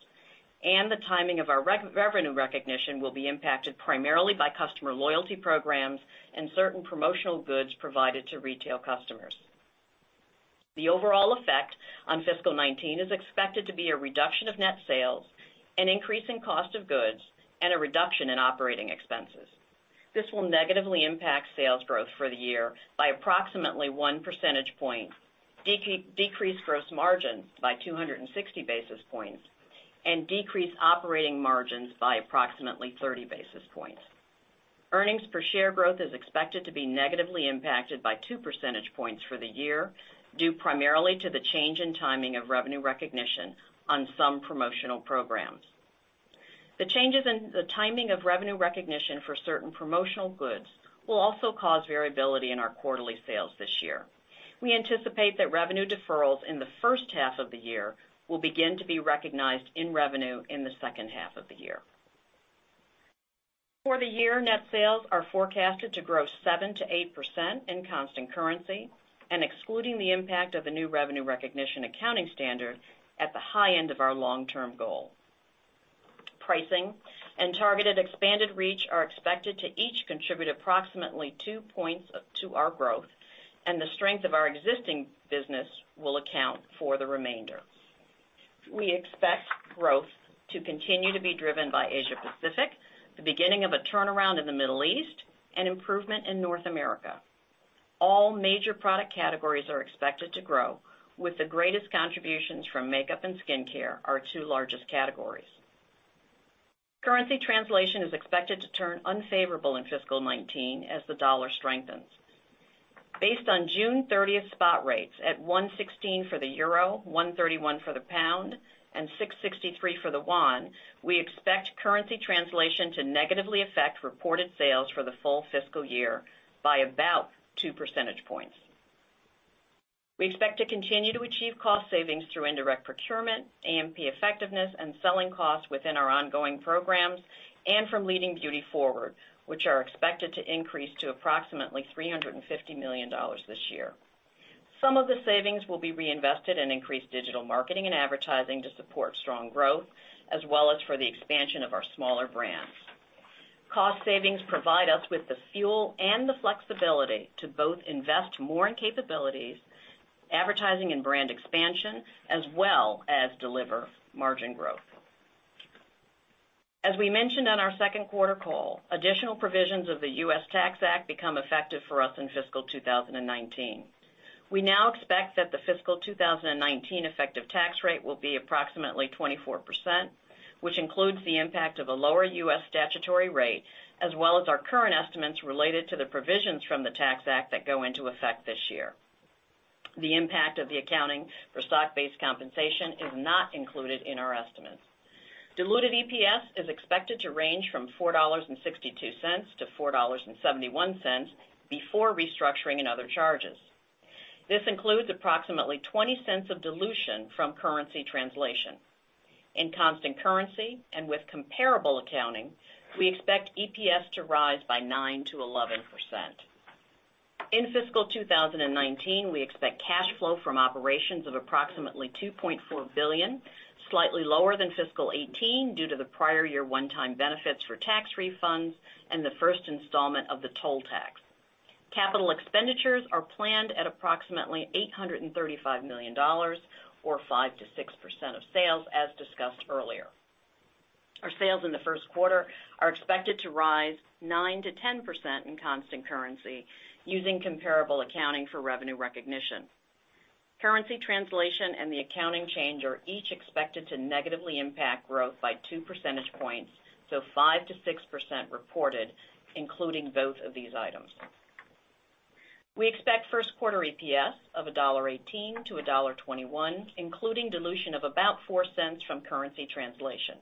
The timing of our revenue recognition will be impacted primarily by customer loyalty programs and certain promotional goods provided to retail customers. The overall effect on fiscal 2019 is expected to be a reduction of net sales, an increase in cost of goods, and a reduction in operating expenses. This will negatively impact sales growth for the year by approximately one percentage point, decrease gross margins by 260 basis points, and decrease operating margins by approximately 30 basis points. Earnings per share growth is expected to be negatively impacted by two percentage points for the year, due primarily to the change in timing of revenue recognition on some promotional programs. The changes in the timing of revenue recognition for certain promotional goods will also cause variability in our quarterly sales this year. We anticipate that revenue deferrals in the first half of the year will begin to be recognized in revenue in the second half of the year. For the year, net sales are forecasted to grow 7%-8% in constant currency, and excluding the impact of the new revenue recognition accounting standard at the high end of our long-term goal. Pricing and targeted expanded reach are expected to each contribute approximately two points to our growth, and the strength of our existing business will account for the remainder. We expect growth to continue to be driven by Asia Pacific, the beginning of a turnaround in the Middle East, and improvement in North America. All major product categories are expected to grow, with the greatest contributions from makeup and skincare, our two largest categories. Currency translation is expected to turn unfavorable in fiscal 2019 as the dollar strengthens. Based on June 30th spot rates, at one sixteen for the euro, one thirty-one for the pound, and six sixty-three for the won, we expect currency translation to negatively affect reported sales for the full fiscal year by about two percentage points. We expect to continue to achieve cost savings through indirect procurement, A&P effectiveness, and selling costs within our ongoing programs, and from Leading Beauty Forward, which are expected to increase to approximately $350 million this year. Some of the savings will be reinvested in increased digital marketing and advertising to support strong growth, as well as for the expansion of our smaller brands. Cost savings provide us with the fuel and the flexibility to both invest more in capabilities, advertising, and brand expansion, as well as deliver margin growth. As we mentioned on our second quarter call, additional provisions of the U.S. Tax Act become effective for us in fiscal 2019. We now expect that the fiscal 2019 effective tax rate will be approximately 24%, which includes the impact of a lower U.S. statutory rate, as well as our current estimates related to the provisions from the Tax Act that go into effect this year. The impact of the accounting for stock-based compensation is not included in our estimates. Diluted EPS is expected to range from $4.62-$4.71 before restructuring and other charges. This includes approximately $0.20 of dilution from currency translation. In constant currency and with comparable accounting, we expect EPS to rise by 9%-11%. In fiscal 2019, we expect cash flow from operations of approximately $2.4 billion, slightly lower than fiscal 2018 due to the prior year one-time benefits for tax refunds and the first installment of the toll tax. Capital expenditures are planned at approximately $835 million, or 5%-6% of sales, as discussed earlier. Our sales in the first quarter are expected to rise 9%-10% in constant currency using comparable accounting for revenue recognition. Currency translation and the accounting change are each expected to negatively impact growth by two percentage points, so 5%-6% reported, including both of these items. We expect first quarter EPS of $1.18-$1.21, including dilution of about $0.04 from currency translation.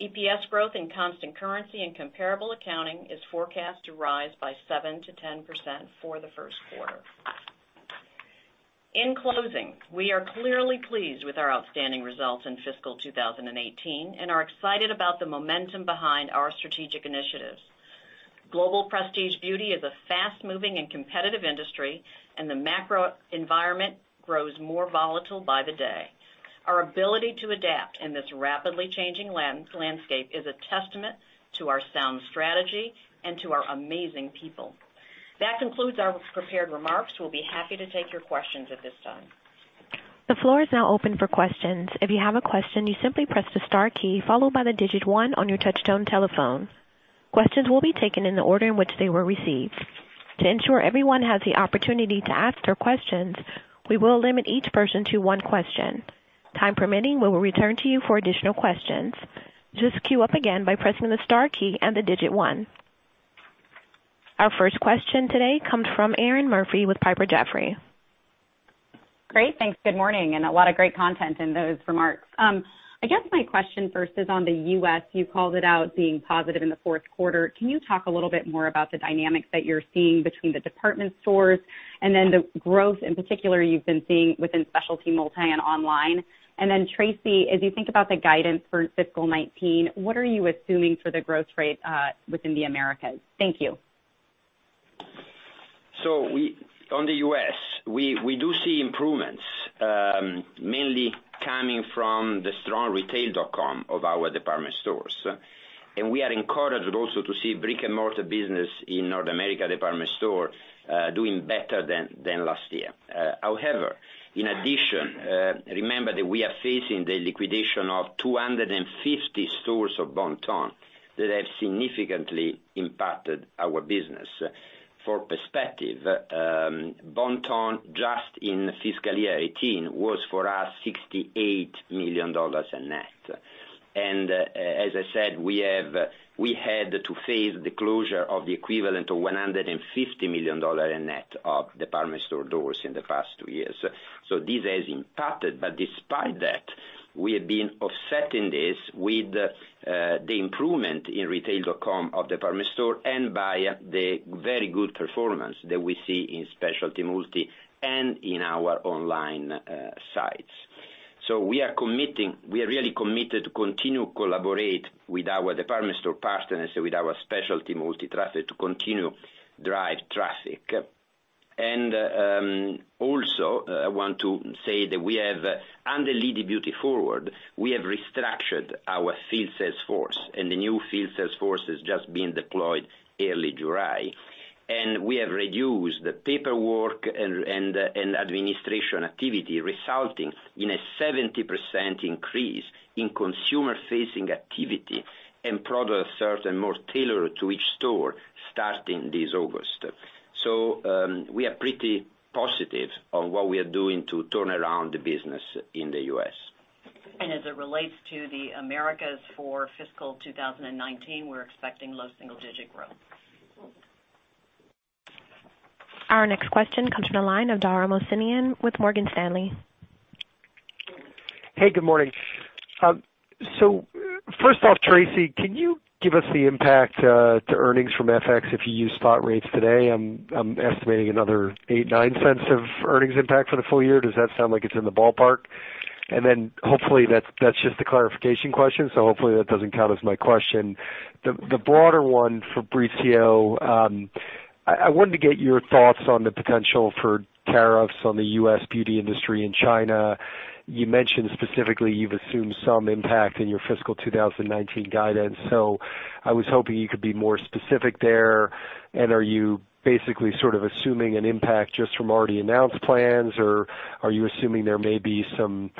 EPS growth in constant currency and comparable accounting is forecast to rise by 7%-10% for the first quarter. In closing, we are clearly pleased with our outstanding results in fiscal 2018 and are excited about the momentum behind our strategic initiatives. Global prestige beauty is a fast-moving and competitive industry, and the macro environment grows more volatile by the day. Our ability to adapt in this rapidly changing landscape is a testament to our sound strategy and to our amazing people. That concludes our prepared remarks. We'll be happy to take your questions at this time. The floor is now open for questions. If you have a question, you simply press the star key followed by the digit 1 on your touchtone telephone. Questions will be taken in the order in which they were received. To ensure everyone has the opportunity to ask their questions, we will limit each person to one question. Time permitting, we will return to you for additional questions. Just queue up again by pressing the star key and the digit 1. Our first question today comes from Erinn Murphy with Piper Jaffray. Great. Thanks. Good morning, and a lot of great content in those remarks. I guess my question first is on the U.S. You called it out being positive in the fourth quarter. Can you talk a little bit more about the dynamics that you're seeing between the department stores and then the growth in particular you've been seeing within specialty multi and online? And then Tracey, as you think about the guidance for fiscal 2019, what are you assuming for the growth rate within the Americas? Thank you. On the U.S., we do see improvements, mainly coming from the strong retail.com of our department stores. We are encouraged also to see brick-and-mortar business in North America department store doing better than last year. However, in addition, remember that we are facing the liquidation of 250 stores of Bon-Ton that have significantly impacted our business. For perspective, Bon-Ton, just in fiscal year 2018, was for us $68 million in net. As I said, we had to face the closure of the equivalent of $150 million in net of department store doors in the past two years. This has impacted, but despite that, we have been offsetting this with the improvement in retail.com of department store and by the very good performance that we see in specialty multi and in our online sites. We are really committed to continue collaborate with our department store partners, with our specialty multi traffic to continue drive traffic. Also, I want to say that under Leading Beauty Forward, we have restructured our field sales force, and the new field sales force has just been deployed early July. We have reduced the paperwork and administration activity, resulting in a 70% increase in consumer-facing activity and product served and more tailored to each store starting this August. We are pretty positive on what we are doing to turn around the business in the U.S. As it relates to the Americas for fiscal 2019, we're expecting low single-digit growth. Our next question comes from the line of Dara Mohsenian with Morgan Stanley. Hey, good morning. First off, Tracey, can you give us the impact to earnings from FX if you use spot rates today? I'm estimating another $0.08, $0.09 of earnings impact for the full year. Does that sound like it's in the ballpark? Hopefully, that's just a clarification question, hopefully that doesn't count as my question. The broader one for Fabrizio, I wanted to get your thoughts on the potential for tariffs on the U.S. beauty industry in China. You mentioned specifically you've assumed some impact in your fiscal 2019 guidance, I was hoping you could be more specific there. Are you basically sort of assuming an impact just from already announced plans, or are you assuming there may be some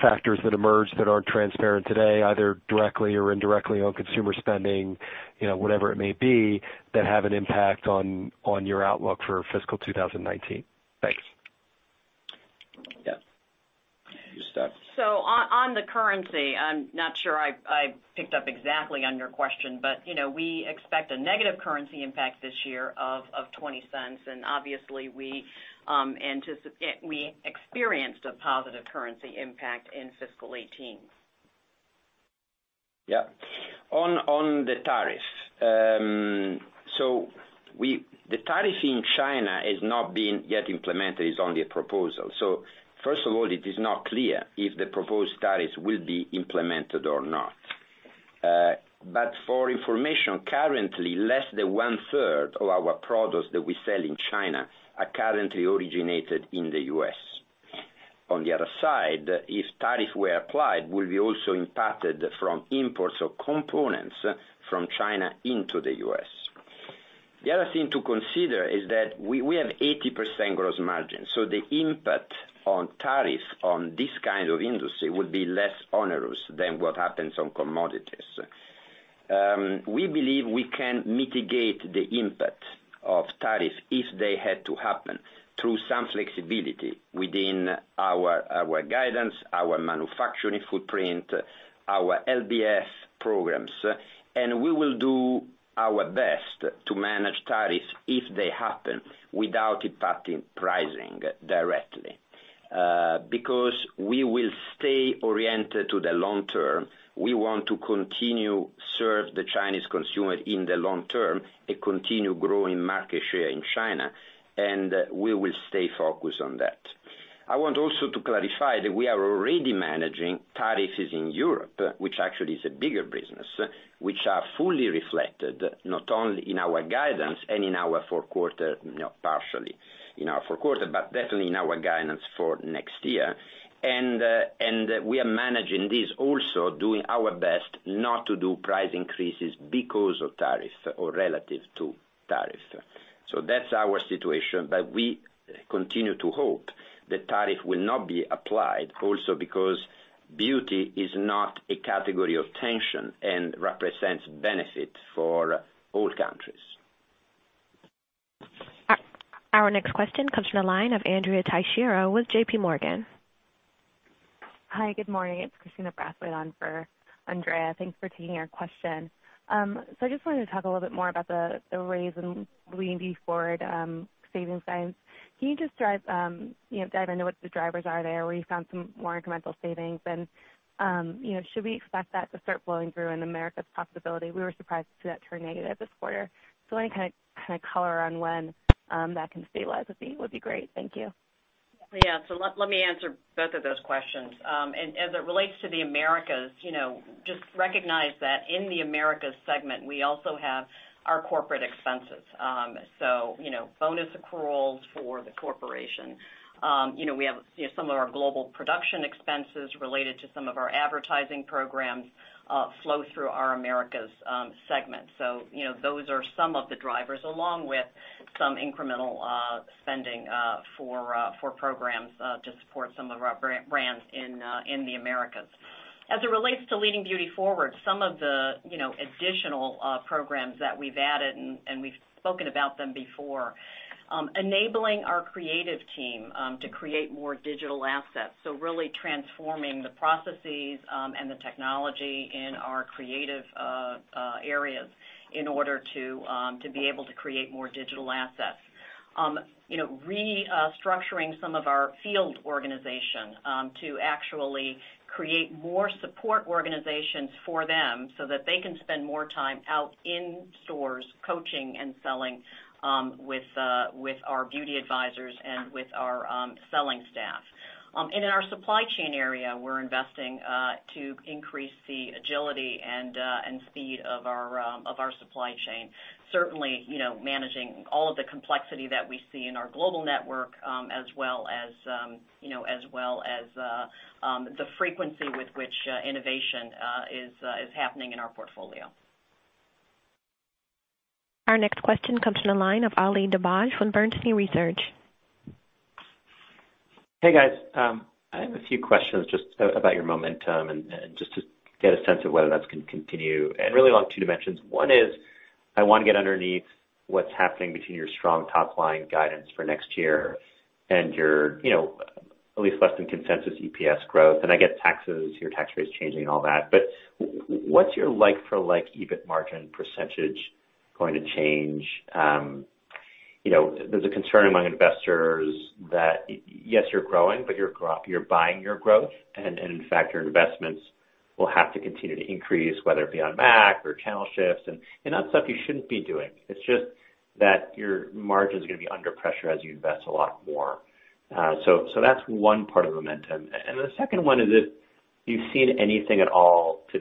factors that emerge that aren't transparent today, either directly or indirectly on consumer spending, whatever it may be, that have an impact on your outlook for fiscal 2019? Thanks. You start. On the currency, I'm not sure I picked up exactly on your question, but we expect a negative currency impact this year of $0.20, and obviously we experienced a positive currency impact in fiscal 2018. On the tariff. The tariff in China is not being yet implemented. It is only a proposal. First of all, it is not clear if the proposed tariffs will be implemented or not. For information, currently less than one-third of our products that we sell in China are currently originated in the U.S. On the other side, if tariffs were applied, we will be also impacted from imports of components from China into the U.S. The other thing to consider is that we have 80% gross margin, the impact on tariffs on this kind of industry will be less onerous than what happens on commodities. We believe we can mitigate the impact of tariffs if they had to happen through some flexibility within our guidance, our manufacturing footprint, our LBF programs. We will do our best to manage tariffs if they happen without impacting pricing directly. We will stay oriented to the long term. We want to continue serve the Chinese consumer in the long term and continue growing market share in China, we will stay focused on that. I want also to clarify that we are already managing tariffs in Europe, which actually is a bigger business, which are fully reflected not only in our guidance and partially in our fourth quarter, but definitely in our guidance for next year. We are managing this also doing our best not to do price increases because of tariffs or relative to tariff. That's our situation, but we continue to hope that tariff will not be applied also because beauty is not a category of tension and represents benefit for all countries. Our next question comes from the line of Andrea Teixeira with JPMorgan. Hi, good morning. It's Christina Brathwaite on for Andrea. Thanks for taking our question. I just wanted to talk a little bit more about the (audio distortion) savings signs. Can you just dive into what the drivers are there, where you found some more incremental savings? Should we expect that to start flowing through in the Americas possibility? We were surprised to see that turn negative this quarter. Any kind of color on when that can stabilize would be great. Thank you. Let me answer both of those questions. As it relates to the Americas, just recognize that in the Americas segment, we also have our corporate expenses. Bonus accruals for the corporation. We have some of our global production expenses related to some of our advertising programs flow through our Americas segment. Those are some of the drivers along with some incremental spending for programs to support some of our brands in the Americas. As it relates to Leading Beauty Forward, some of the additional programs that we've added, and we've spoken about them before, enabling our creative team to create more digital assets. Really transforming the processes and the technology in our creative areas in order to be able to create more digital assets. Restructuring some of our field organization to actually create more support organizations for them so that they can spend more time out in stores coaching and selling with our beauty advisors and with our selling staff. In our supply chain area, we're investing to increase the agility and speed of our supply chain. Certainly, managing all of the complexity that we see in our global network as well as the frequency with which innovation is happening in our portfolio. Our next question comes from the line of Ali Dibadj from Bernstein Research. Hey, guys. I have a few questions just about your momentum and just to get a sense of whether that's going to continue, and really along two dimensions. One is, I want to get underneath what's happening between your strong top-line guidance for next year and your at least less than consensus EPS growth. I get taxes, your tax rates changing and all that. What's your like for like EBIT margin percentage going to change? There's a concern among investors that, yes, you're growing, but you're buying your growth. In fact, your investments will have to continue to increase, whether it be on M·A·C or channel shifts and that's stuff you shouldn't be doing. It's just that your margins are going to be under pressure as you invest a lot more. That's one part of momentum. The second one is if you've seen anything at all to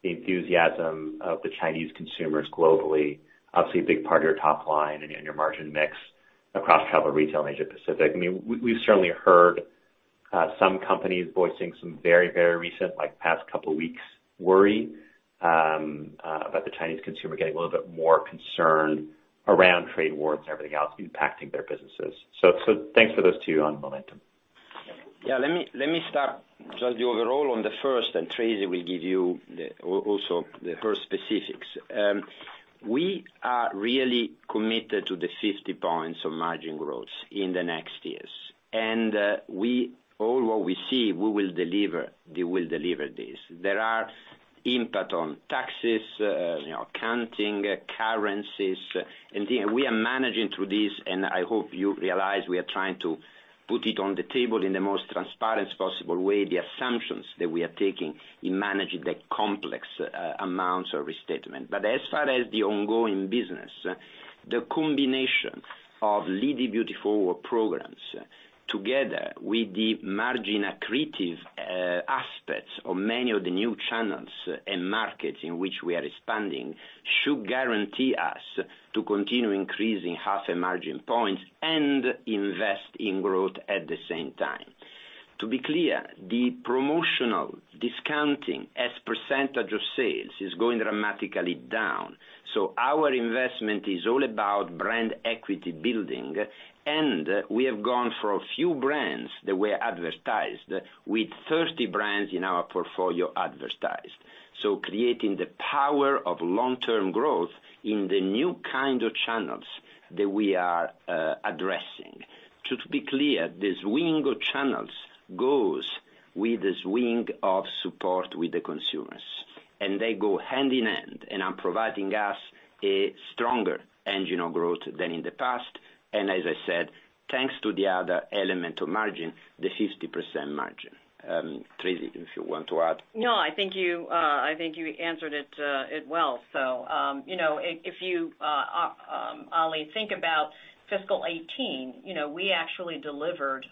temper the enthusiasm of the Chinese consumers globally, obviously a big part of your top line and your margin mix across travel retail in Asia Pacific. We've certainly heard some companies voicing some very recent, like past couple of weeks, worry about the Chinese consumer getting a little bit more concerned around trade wars and everything else impacting their businesses. Thanks for those two on momentum. Let me start just the overall on the first, Tracey will give you also her specifics. We are really committed to the 50 points of margin growth in the next years. All what we see, we will deliver this. There are impact on taxes, accounting, currencies, and we are managing through this, and I hope you realize we are trying to put it on the table in the most transparent possible way, the assumptions that we are taking in managing the complex amounts of restatement. As far as the ongoing business, the combination of Leading Beauty Forward programs together with the margin accretive aspects of many of the new channels and markets in which we are expanding should guarantee us to continue increasing half a margin point and invest in growth at the same time. To be clear, the promotional discounting as % of sales is going dramatically down. Our investment is all about brand equity building, and we have gone for a few brands that were advertised with 30 brands in our portfolio advertised. Creating the power of long-term growth in the new kind of channels that we are addressing. To be clear, the swing of channels goes with the swing of support with the consumers, and they go hand in hand and are providing us a stronger engine of growth than in the past. As I said, thanks to the other element of margin, the 50% margin. Tracey, if you want to add? I think you answered it well. If you Ali, think about fiscal 2018, we actually delivered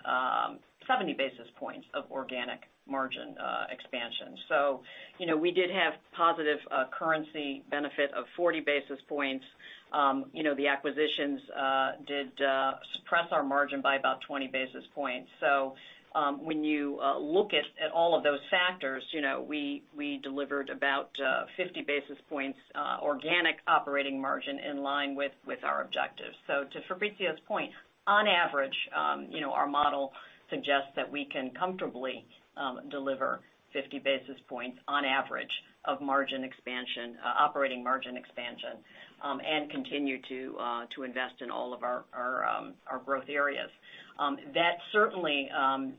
70 basis points of organic margin expansion. We did have positive currency benefit of 40 basis points. The acquisitions did suppress our margin by about 20 basis points. When you look at all of those factors, we delivered about 50 basis points organic operating margin in line with our objectives. To Fabrizio's point, on average, our model suggests that we can comfortably deliver 50 basis points on average of margin expansion, operating margin expansion, and continue to invest in all of our growth areas. That certainly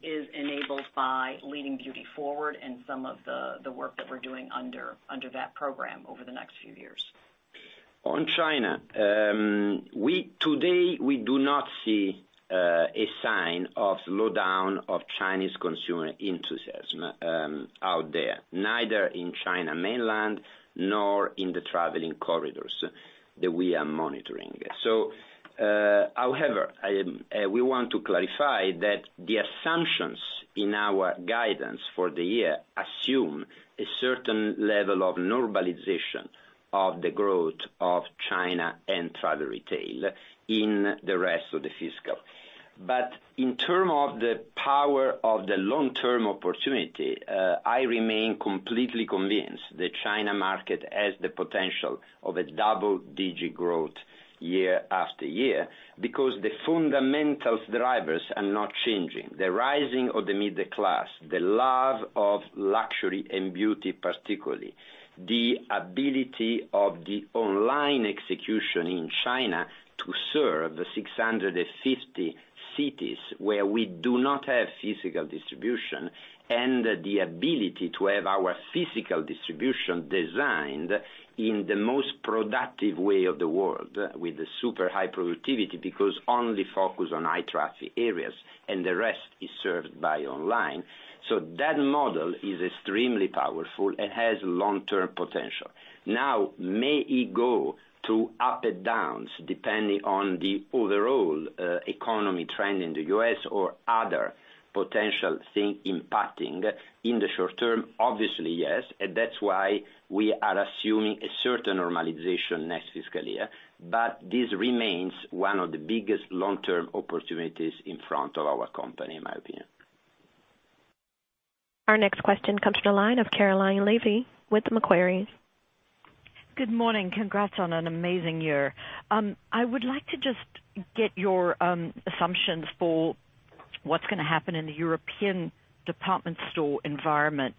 is enabled by Leading Beauty Forward and some of the work that we're doing under that program over the next few years. On China. Today, we do not see a sign of slowdown of Chinese consumer enthusiasm out there, neither in China mainland nor in the traveling corridors that we are monitoring. However, we want to clarify that the assumptions in our guidance for the year assume a certain level of normalization of the growth of China and travel retail in the rest of the fiscal. In terms of the power of the long-term opportunity, I remain completely convinced the China market has the potential of a double-digit growth year after year because the fundamental drivers are not changing. The rising of the middle class, the love of luxury and beauty particularly, the ability of the online execution in China to serve the 650 cities where we do not have physical distribution, and the ability to have our physical distribution designed in the most productive way of the world with the super high productivity, because only focus on high traffic areas and the rest is served by online. That model is extremely powerful and has long-term potential. May it go through ups and downs, depending on the overall economy trend in the U.S. or other potential thing impacting in the short term? Obviously, yes, and that's why we are assuming a certain normalization next fiscal year, this remains one of the biggest long-term opportunities in front of our company, in my opinion. Our next question comes from the line of Caroline Levy with Macquarie. Good morning. Congrats on an amazing year. I would like to just get your assumptions for what's going to happen in the European department store environment,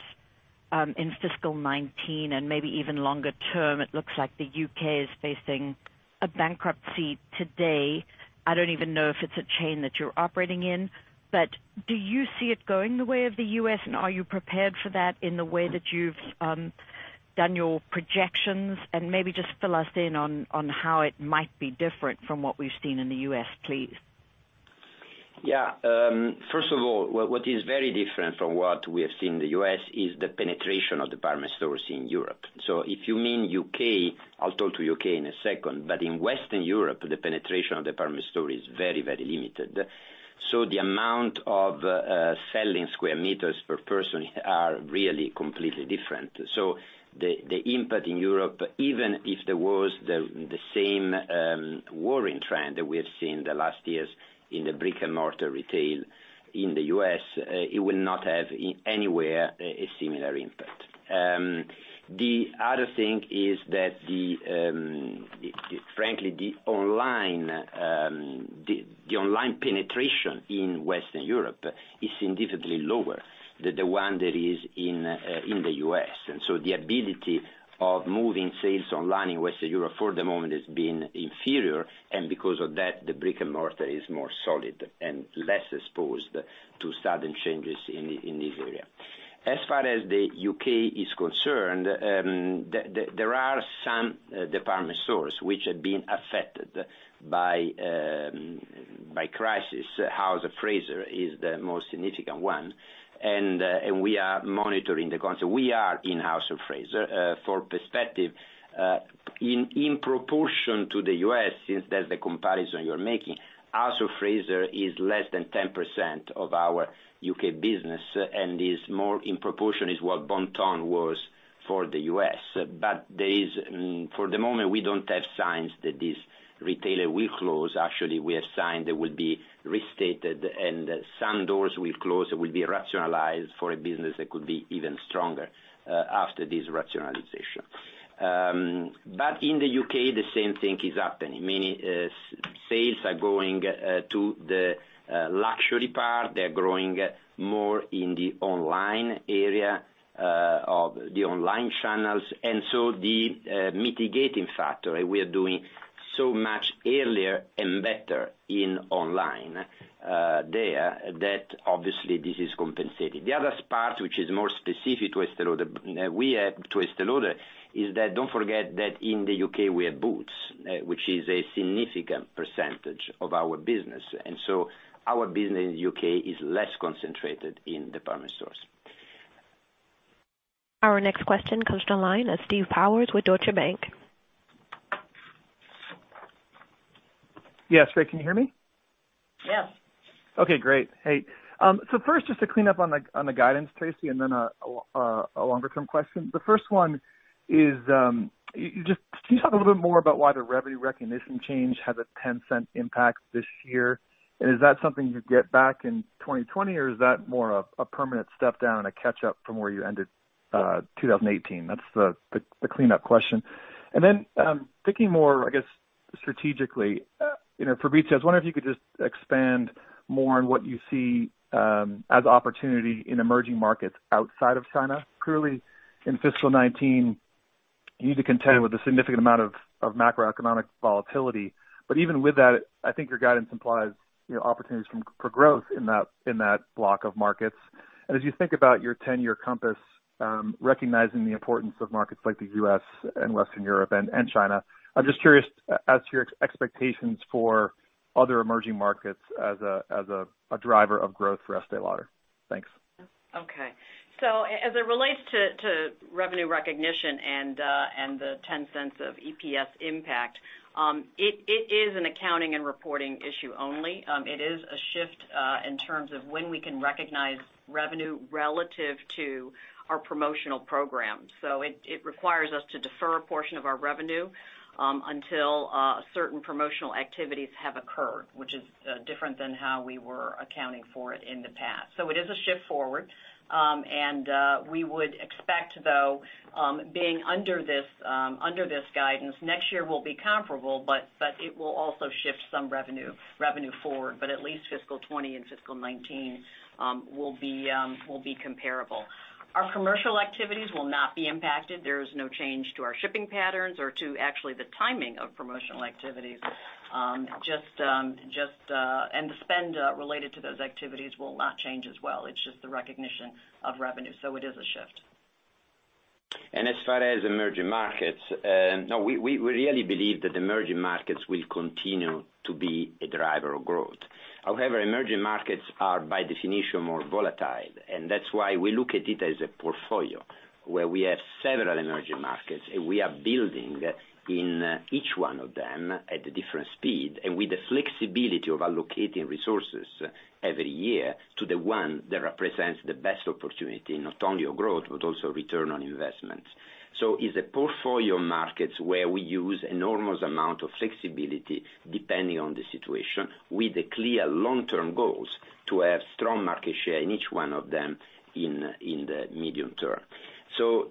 in fiscal 2019 and maybe even longer term. It looks like the U.K. is facing a bankruptcy today. I don't even know if it's a chain that you're operating in, but do you see it going the way of the U.S., and are you prepared for that in the way that you've done your projections? Maybe just fill us in on how it might be different from what we've seen in the U.S., please. Yeah. First of all, what is very different from what we have seen in the U.S. is the penetration of department stores in Europe. If you mean U.K., I'll talk to U.K. in a second, but in Western Europe, the penetration of department store is very, very limited. The amount of selling square meters per person are really completely different. The impact in Europe, even if there was the same worrying trend that we have seen the last years in the brick-and-mortar retail in the U.S., it will not have anywhere a similar impact. The other thing is that frankly, the online penetration in Western Europe is significantly lower than the one that is in the U.S. The ability of moving sales online in Western Europe for the moment has been inferior, and because of that, the brick-and-mortar is more solid and less exposed to sudden changes in this area. As far as the U.K. is concerned, there are some department stores which have been affected by crisis. House of Fraser is the most significant one, and we are monitoring the concept. We are in House of Fraser. For perspective, in proportion to the U.S., since that's the comparison you're making, House of Fraser is less than 10% of our U.K. business and is more in proportion is what Bon-Ton was for the U.S. For the moment, we don't have signs that this retailer will close. Actually, we have signs they will be restated, and some doors will close. It will be rationalized for a business that could be even stronger after this rationalization. In the U.K., the same thing is happening. Many sales are going to the luxury part. They're growing more in the online area of the online channels. The mitigating factor, we are doing so much earlier and better in online there that obviously this is compensated. The other part, which is more specific to Estée Lauder, is that don't forget that in the U.K. we have Boots, which is a significant percentage of our business, and so our business in the U.K. is less concentrated in department stores. Our next question comes to the line of Steve Powers with Deutsche Bank. Yes, great. Can you hear me? Yes. Okay, great. First, just to clean up on the guidance, Tracey, and then a longer-term question. The first one is, can you talk a little bit more about why the revenue recognition change has a $0.10 impact this year? Is that something you get back in 2020, or is that more of a permanent step-down and a catch-up from where you ended 2018? That's the clean-up question. Then, thinking more, I guess, strategically for Fabrizio, I was wondering if you could just expand more on what you see as opportunity in emerging markets outside of China. Clearly, in fiscal 2019, you need to contend with a significant amount of macroeconomic volatility. Even with that, I think your guidance implies opportunities for growth in that block of markets. As you think about your 10-year compass, recognizing the importance of markets like the U.S. and Western Europe and China, I'm just curious as to your expectations for other emerging markets as a driver of growth for Estée Lauder. Thanks. Okay. As it relates to revenue recognition and the $0.10 of EPS impact, it is an accounting and reporting issue only. It is a shift in terms of when we can recognize revenue relative to our promotional program. It requires us to defer a portion of our revenue until certain promotional activities have occurred, which is different than how we were accounting for it in the past. It is a shift forward. We would expect, though, being under this guidance, next year will be comparable, but it will also shift some revenue forward, but at least fiscal 2020 and fiscal 2019 will be comparable. Our commercial activities will not be impacted. There is no change to our shipping patterns or to actually the timing of promotional activities. The spend related to those activities will not change as well. It's just the recognition of revenue. It is a shift. As far as emerging markets, we really believe that emerging markets will continue to be a driver of growth. However, emerging markets are, by definition, more volatile, and that's why we look at it as a portfolio where we have several emerging markets, and we are building in each one of them at a different speed, and with the flexibility of allocating resources every year to the one that represents the best opportunity, not only of growth, but also return on investments. It's a portfolio markets where we use enormous amount of flexibility depending on the situation with the clear long-term goals to have strong market share in each one of them in the medium term.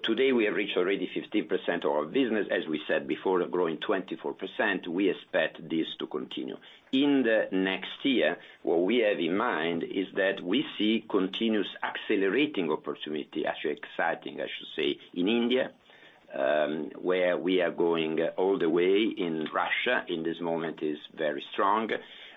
Today, we have reached already 15% of our business, as we said before, growing 24%, we expect this to continue. In the next year, what we have in mind is that we see continuous accelerating opportunity, actually exciting, I should say, in India, where we are going all the way in Russia, in this moment is very strong.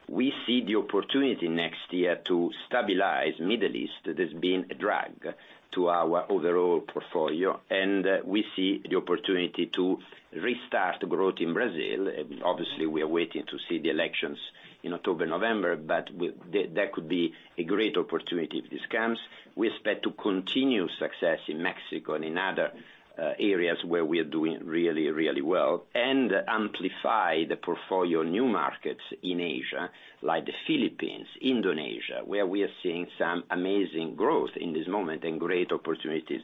We see the opportunity next year to stabilize Middle East. That has been a drag to our overall portfolio, and we see the opportunity to restart growth in Brazil. Obviously, we are waiting to see the elections in October, November, but that could be a great opportunity if this comes. We expect to continue success in Mexico and in other areas where we are doing really well and amplify the portfolio new markets in Asia, like the Philippines, Indonesia, where we are seeing some amazing growth in this moment and great opportunities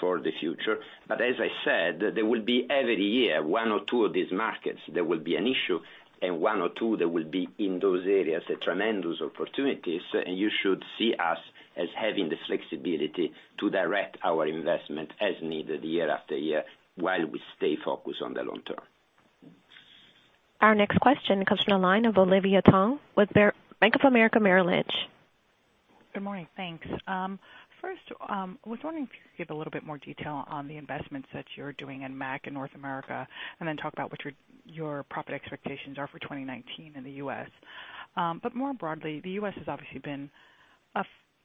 for the future. As I said, there will be every year, one or two of these markets, there will be an issue, and one or two there will be in those areas, tremendous opportunities. You should see us as having the flexibility to direct our investment as needed year after year while we stay focused on the long term. Our next question comes from the line of Olivia Tong with Bank of America Merrill Lynch. Good morning. Thanks. First, I was wondering if you could give a little bit more detail on the investments that you're doing in M·A·C in North America, then talk about what your profit expectations are for 2019 in the U.S. More broadly, the U.S. has obviously been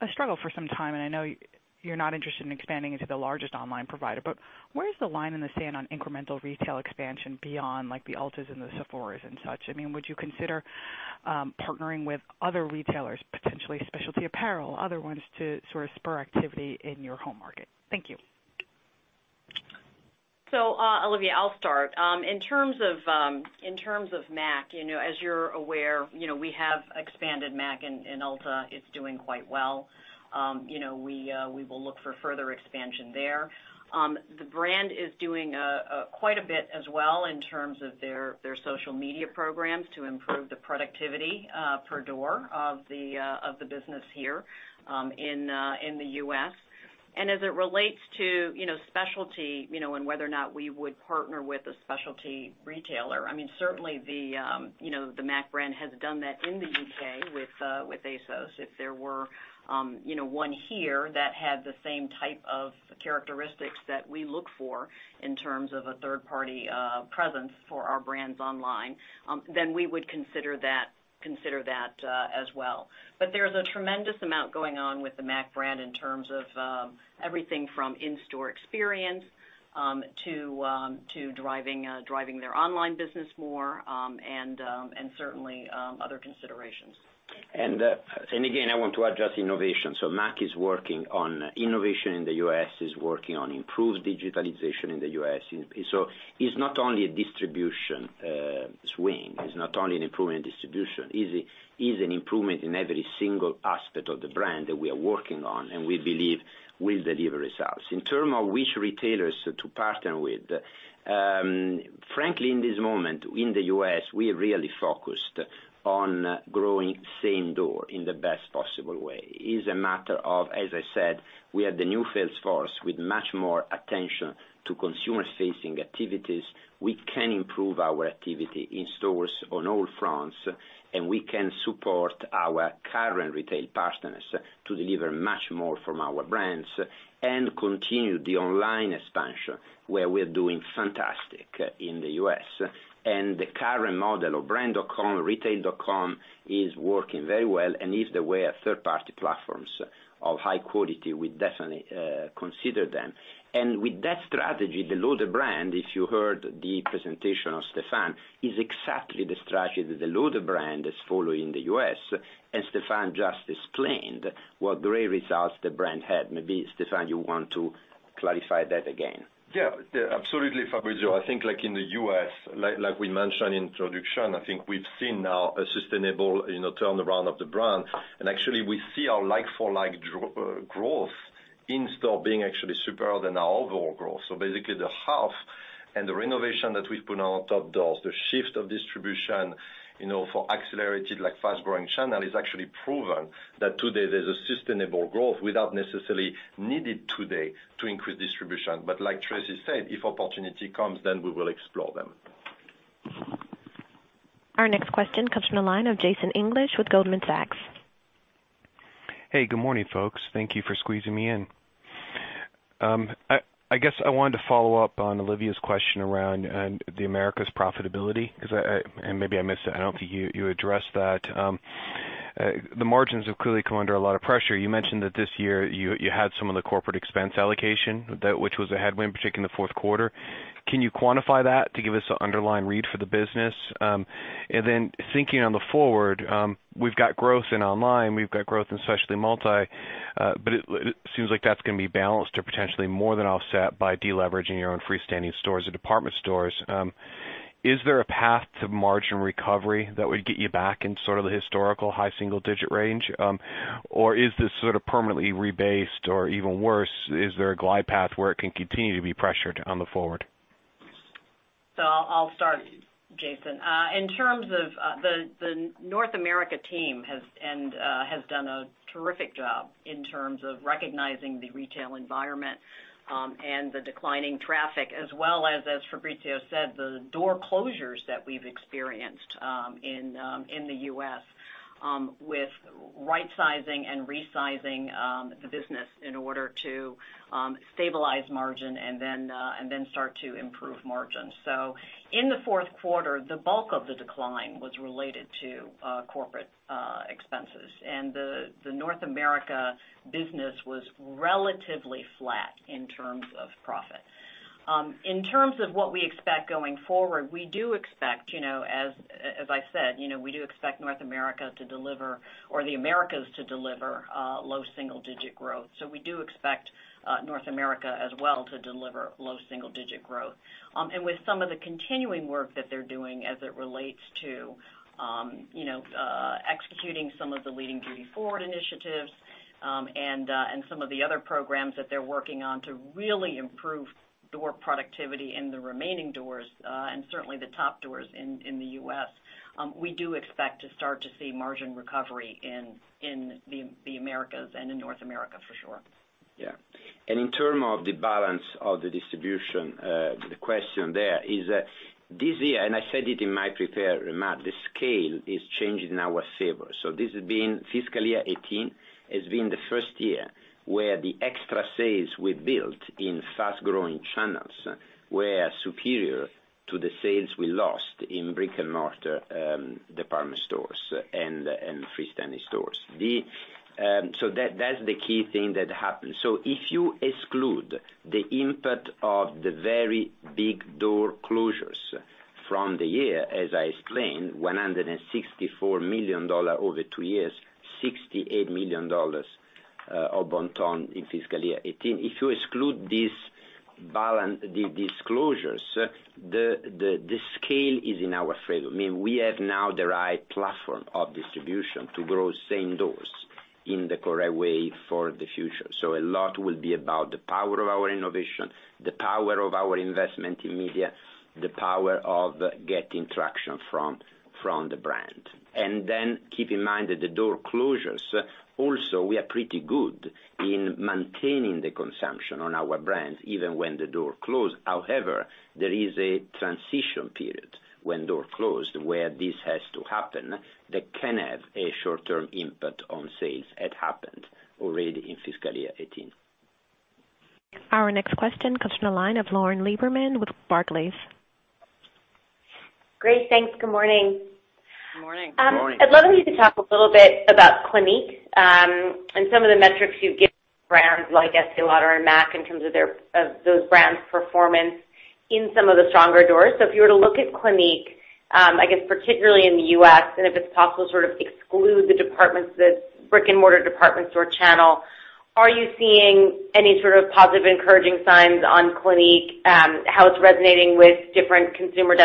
a struggle for some time, and I know you're not interested in expanding into the largest online provider, but where is the line in the sand on incremental retail expansion beyond the Ultas and the Sephoras and such? Would you consider partnering with other retailers, potentially specialty apparel, other ones to sort of spur activity in your home market? Thank you. Olivia, I'll start. In terms of M·A·C, as you're aware, we have expanded M·A·C in Ulta. It's doing quite well. We will look for further expansion there. The brand is doing quite a bit as well in terms of their social media programs to improve the productivity per door of the business here in the U.S. As it relates to specialty, and whether or not we would partner with a specialty retailer, certainly the M·A·C brand has done that in the U.K. with ASOS. If there were one here that had the same type of characteristics that we look for in terms of a third-party presence for our brands online, we would consider that as well. There is a tremendous amount going on with the M·A·C brand in terms of everything from in-store experience to driving their online business more, certainly other considerations. Again, I want to address innovation. M·A·C is working on innovation in the U.S., is working on improved digitalization in the U.S. It's not only a distribution swing, it's not only an improvement in distribution, is an improvement in every single aspect of the brand that we are working on, and we believe will deliver results. In terms of which retailers to partner with, frankly, in this moment in the U.S., we are really focused on growing same door in the best possible way. It is a matter of, as I said, we have the new sales force with much more attention to consumer-facing activities. We can improve our activity in stores on all fronts, we can support our current retail partners to deliver much more from our brands, continue the online expansion, where we're doing fantastic in the U.S. The current model of brand.com, retail.com is working very well, and if there were third-party platforms of high quality, we'd definitely consider them. With that strategy, the Lauder brand, if you heard the presentation of Stéphane, is exactly the strategy that the Lauder brand is following in the U.S., as Stéphane just explained what great results the brand had. Maybe, Stéphane, you want to clarify that again. Yeah. Absolutely, Fabrizio. I think like in the U.S., like we mentioned introduction, I think we've seen now a sustainable turnaround of the brand. Actually, we see our like-for-like growth in store being actually superior than our overall growth. Basically, the half and the renovation that we've put on top doors, the shift of distribution for accelerated, like fast-growing channel, is actually proven that today there's a sustainable growth without necessarily needed today to increase distribution. Like Tracey said, if opportunity comes, then we will explore them. Our next question comes from the line of Jason English with Goldman Sachs. Hey, good morning, folks. Thank you for squeezing me in. I guess I wanted to follow up on Olivia's question around the Americas profitability, and maybe I missed it. I don't think you addressed that. The margins have clearly come under a lot of pressure. You mentioned that this year you had some of the corporate expense allocation, which was a headwind, particularly in the fourth quarter. Can you quantify that to give us an underlying read for the business? Then thinking on the forward, we've got growth in online, we've got growth in specialty multi, but it seems like that's going to be balanced or potentially more than offset by de-leveraging your own freestanding stores or department stores. Is there a path to margin recovery that would get you back in sort of the historical high single-digit range? Or is this sort of permanently rebased? Is there a glide path where it can continue to be pressured on the forward? I'll start, Jason. The North America team has done a terrific job in terms of recognizing the retail environment, and the declining traffic, as well as Fabrizio said, the door closures that we've experienced in the U.S. with right-sizing and resizing the business in order to stabilize margin and then start to improve margin. In the fourth quarter, the bulk of the decline was related to corporate expenses. The North America business was relatively flat in terms of profit. In terms of what we expect going forward, as I said, we do expect North America to deliver, or the Americas to deliver, low single-digit growth. We do expect North America as well to deliver low single-digit growth. With some of the continuing work that they're doing as it relates to executing some of the Leading Beauty Forward initiatives, and some of the other programs that they're working on to really improve door productivity in the remaining doors, and certainly the top doors in the U.S., we do expect to start to see margin recovery in the Americas and in North America for sure. Yeah. In terms of the balance of the distribution, the question there is, this year, and I said it in my prepared remarks, the scale is changing in our favor. Fiscal year 2018 has been the first year where the extra sales we built in fast-growing channels were superior to the sales we lost in brick-and-mortar department stores and freestanding stores. That's the key thing that happened. If you exclude the input of the very big door closures from the year, as I explained, $164 million over two years, $68 million of them in fiscal year 2018. If you exclude these closures, the scale is in our favor. I mean, we have now the right platform of distribution to grow same doors in the correct way for the future. A lot will be about the power of our innovation, the power of our investment in media, the power of getting traction from the brand. Keep in mind that the door closures, also, we are pretty good in maintaining the consumption on our brands, even when the door closed. There is a transition period when door closed, where this has to happen, that can have a short-term impact on sales. It happened already in fiscal year 2018. Our next question comes from the line of Lauren Lieberman with Barclays. Great. Thanks. Good morning. Good morning. Good morning. If you were to look a little bit about Clinique, and some of the metrics you've given brands like Estée Lauder and M·A·C in terms of those brands' performance in some of the stronger doors. If you were to look at Clinique, I guess particularly in the U.S., and if it's possible, sort of exclude the brick-and-mortar department store channel, are you seeing any sort of positive encouraging signs on Clinique, how it's resonating with different consumer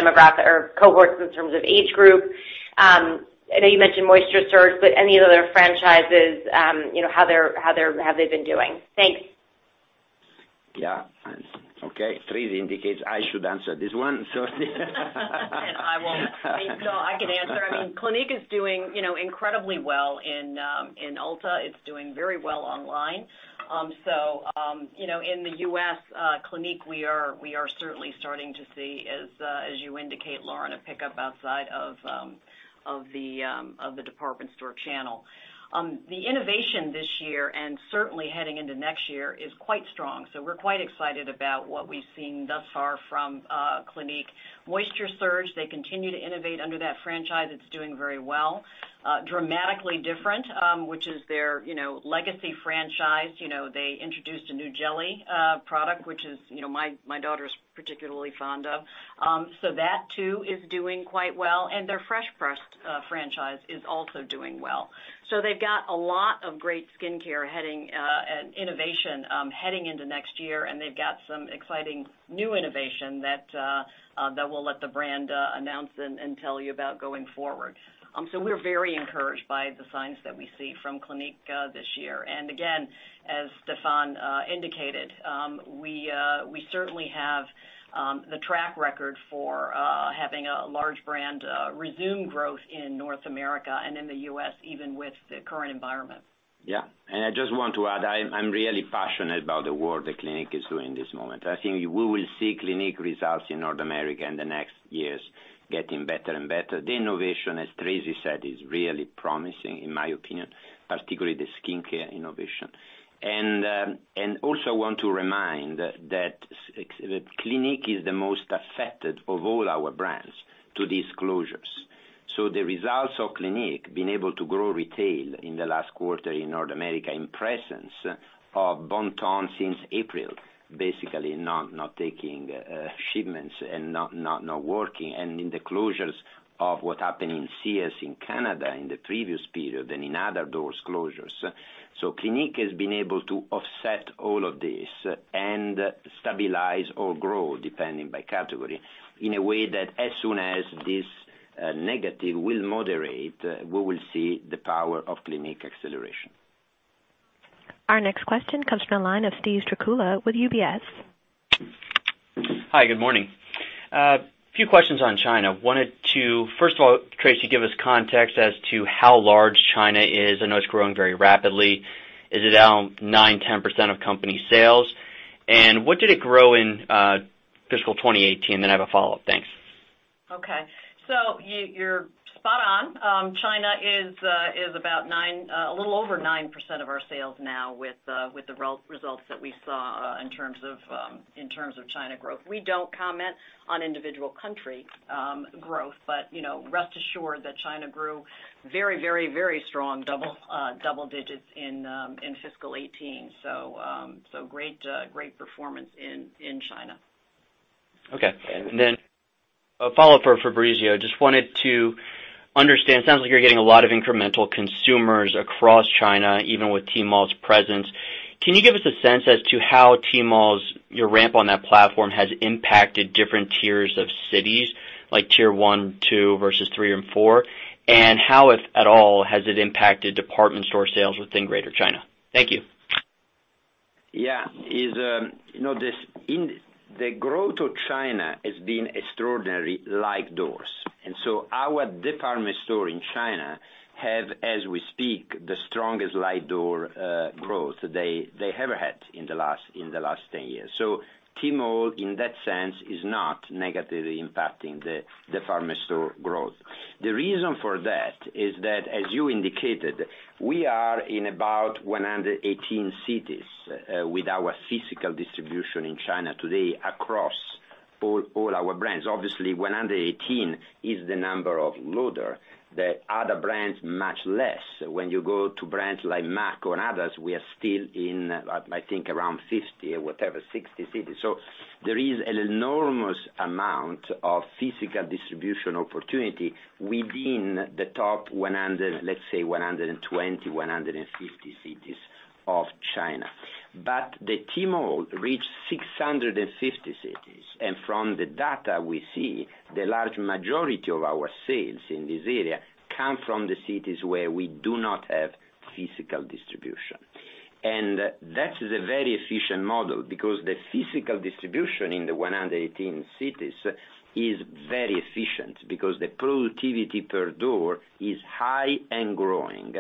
cohorts in terms of age group? I know you mentioned Moisture Surge, but any other franchises, how they've been doing? Thanks. Yeah. Okay. Tracey indicates I should answer this one. I won't. No, I can answer. Clinique is doing incredibly well in Ulta. It's doing very well online. In the U.S., Clinique, we are certainly starting to see, as you indicate, Lauren, a pickup outside of the department store channel. The innovation this year, and certainly heading into next year, is quite strong. We're quite excited about what we've seen thus far from Clinique. Moisture Surge, they continue to innovate under that franchise. It's doing very well. Dramatically Different, which is their legacy franchise, they introduced a new jelly product, which my daughter's particularly fond of. That too is doing quite well. Their Fresh Pressed franchise is also doing well. They've got a lot of great skincare and innovation heading into next year, and they've got some exciting new innovation that we'll let the brand announce and tell you about going forward. We're very encouraged by the signs that we see from Clinique this year. Again, as Stéphane indicated, we certainly have the track record for having a large brand resume growth in North America and in the U.S. even with the current environment. Yeah. I just want to add, I'm really passionate about the work that Clinique is doing this moment. I think we will see Clinique results in North America in the next years getting better and better. The innovation, as Tracey said, is really promising in my opinion, particularly the skincare innovation. Also, I want to remind that Clinique is the most affected of all our brands to these closures. The results of Clinique being able to grow retail in the last quarter in North America in presence are Bon-Ton since April, basically not taking shipments and not working, and in the closures of what happened in Sears Canada in the previous period and in other doors closures. Clinique has been able to offset all of this and stabilize or grow, depending by category, in a way that as soon as this negative will moderate, we will see the power of Clinique acceleration. Our next question comes from the line of Steven Strycula with UBS. Hi, good morning. Few questions on China. Wanted to, first of all, Tracey, give us context as to how large China is. I know it's growing very rapidly. Is it now 9%, 10% of company sales? What did it grow in fiscal 2018? I have a follow-up. Thanks. Okay. You're spot on. China is a little over 9% of our sales now with the results that we saw in terms of China growth. We don't comment on individual country growth, but rest assured that China grew very strong, double digits in fiscal 2018. Great performance in China. Okay. A follow-up for Fabrizio. Just wanted to understand, sounds like you're getting a lot of incremental consumers across China, even with Tmall's presence. Can you give us a sense as to how your ramp on that platform has impacted different tiers of cities, like tier 1, 2 versus 3 and 4? How, if at all, has it impacted department store sales within Greater China? Thank you. Yeah. The growth of China has been extraordinary like doors. Our department store in China have, as we speak, the strongest like door growth they ever had in the last 10 years. Tmall, in that sense, is not negatively impacting department store growth. The reason for that is that, as you indicated, we are in about 118 cities with our physical distribution in China today across all our brands. Obviously, 118 is the number of Estée Lauder. The other brands, much less. When you go to brands like M·A·C or others, we are still in, I think, around 50 or whatever, 60 cities. There is an enormous amount of physical distribution opportunity within the top, let's say, 120, 150 cities of China. The Tmall reached 650 cities, and from the data we see, the large majority of our sales in this area come from the cities where we do not have physical distribution. That is a very efficient model because the physical distribution in the 118 cities is very efficient because the productivity per door is high and growing.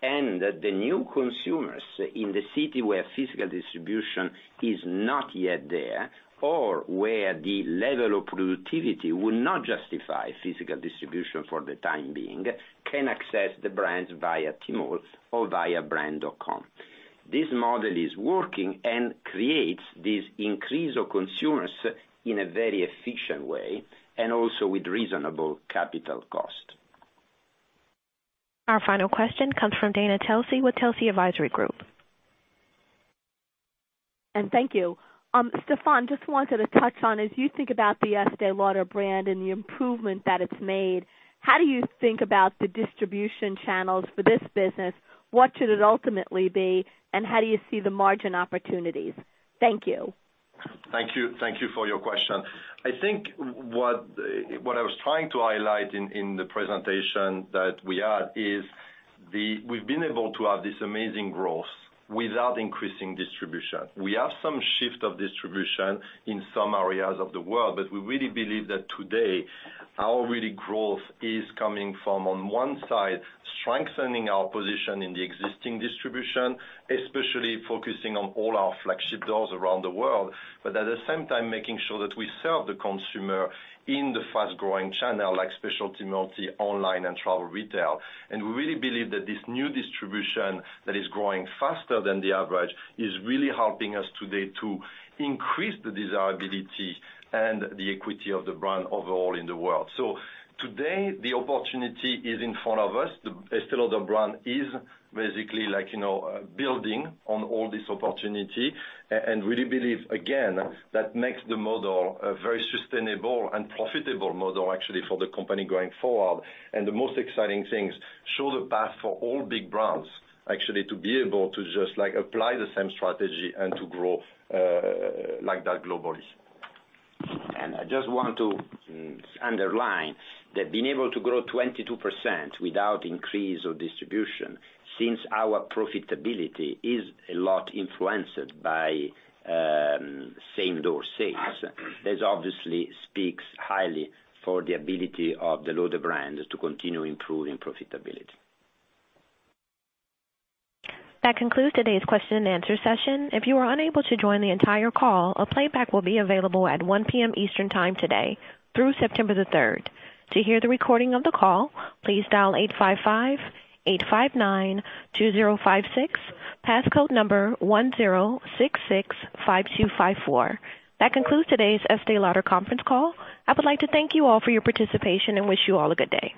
The new consumers in the city where physical distribution is not yet there, or where the level of productivity would not justify physical distribution for the time being, can access the brands via Tmall or via brand.com. This model is working and creates this increase of consumers in a very efficient way, and also with reasonable capital cost. Our final question comes from Dana Telsey with Telsey Advisory Group. Thank you. Stéphane, just wanted to touch on, as you think about the Estée Lauder brand and the improvement that it's made, how do you think about the distribution channels for this business? What should it ultimately be, and how do you see the margin opportunities? Thank you. Thank you for your question. I think what I was trying to highlight in the presentation that we had is we've been able to have this amazing growth without increasing distribution. We have some shift of distribution in some areas of the world, we really believe that today, our really growth is coming from, on one side, strengthening our position in the existing distribution, especially focusing on all our flagship doors around the world. At the same time, making sure that we serve the consumer in the fast-growing channel, like specialty, multi, online, and travel retail. We really believe that this new distribution that is growing faster than the average is really helping us today to increase the desirability and the equity of the brand overall in the world. Today, the opportunity is in front of us. The Estée Lauder brand is basically building on all this opportunity, really believe, again, that makes the model a very sustainable and profitable model actually for the company going forward. The most exciting things show the path for all big brands actually to be able to just apply the same strategy and to grow like that globally. I just want to underline that being able to grow 22% without increase of distribution, since our profitability is a lot influenced by same-door sales, that obviously speaks highly for the ability of the Lauder brand to continue improving profitability. That concludes today's question and answer session. If you are unable to join the entire call, a playback will be available at 1:00 P.M. Eastern time today through September the 3rd. To hear the recording of the call, please dial 855-859-2056. Passcode number 10665254. That concludes today's Estée Lauder conference call. I would like to thank you all for your participation and wish you all a good day.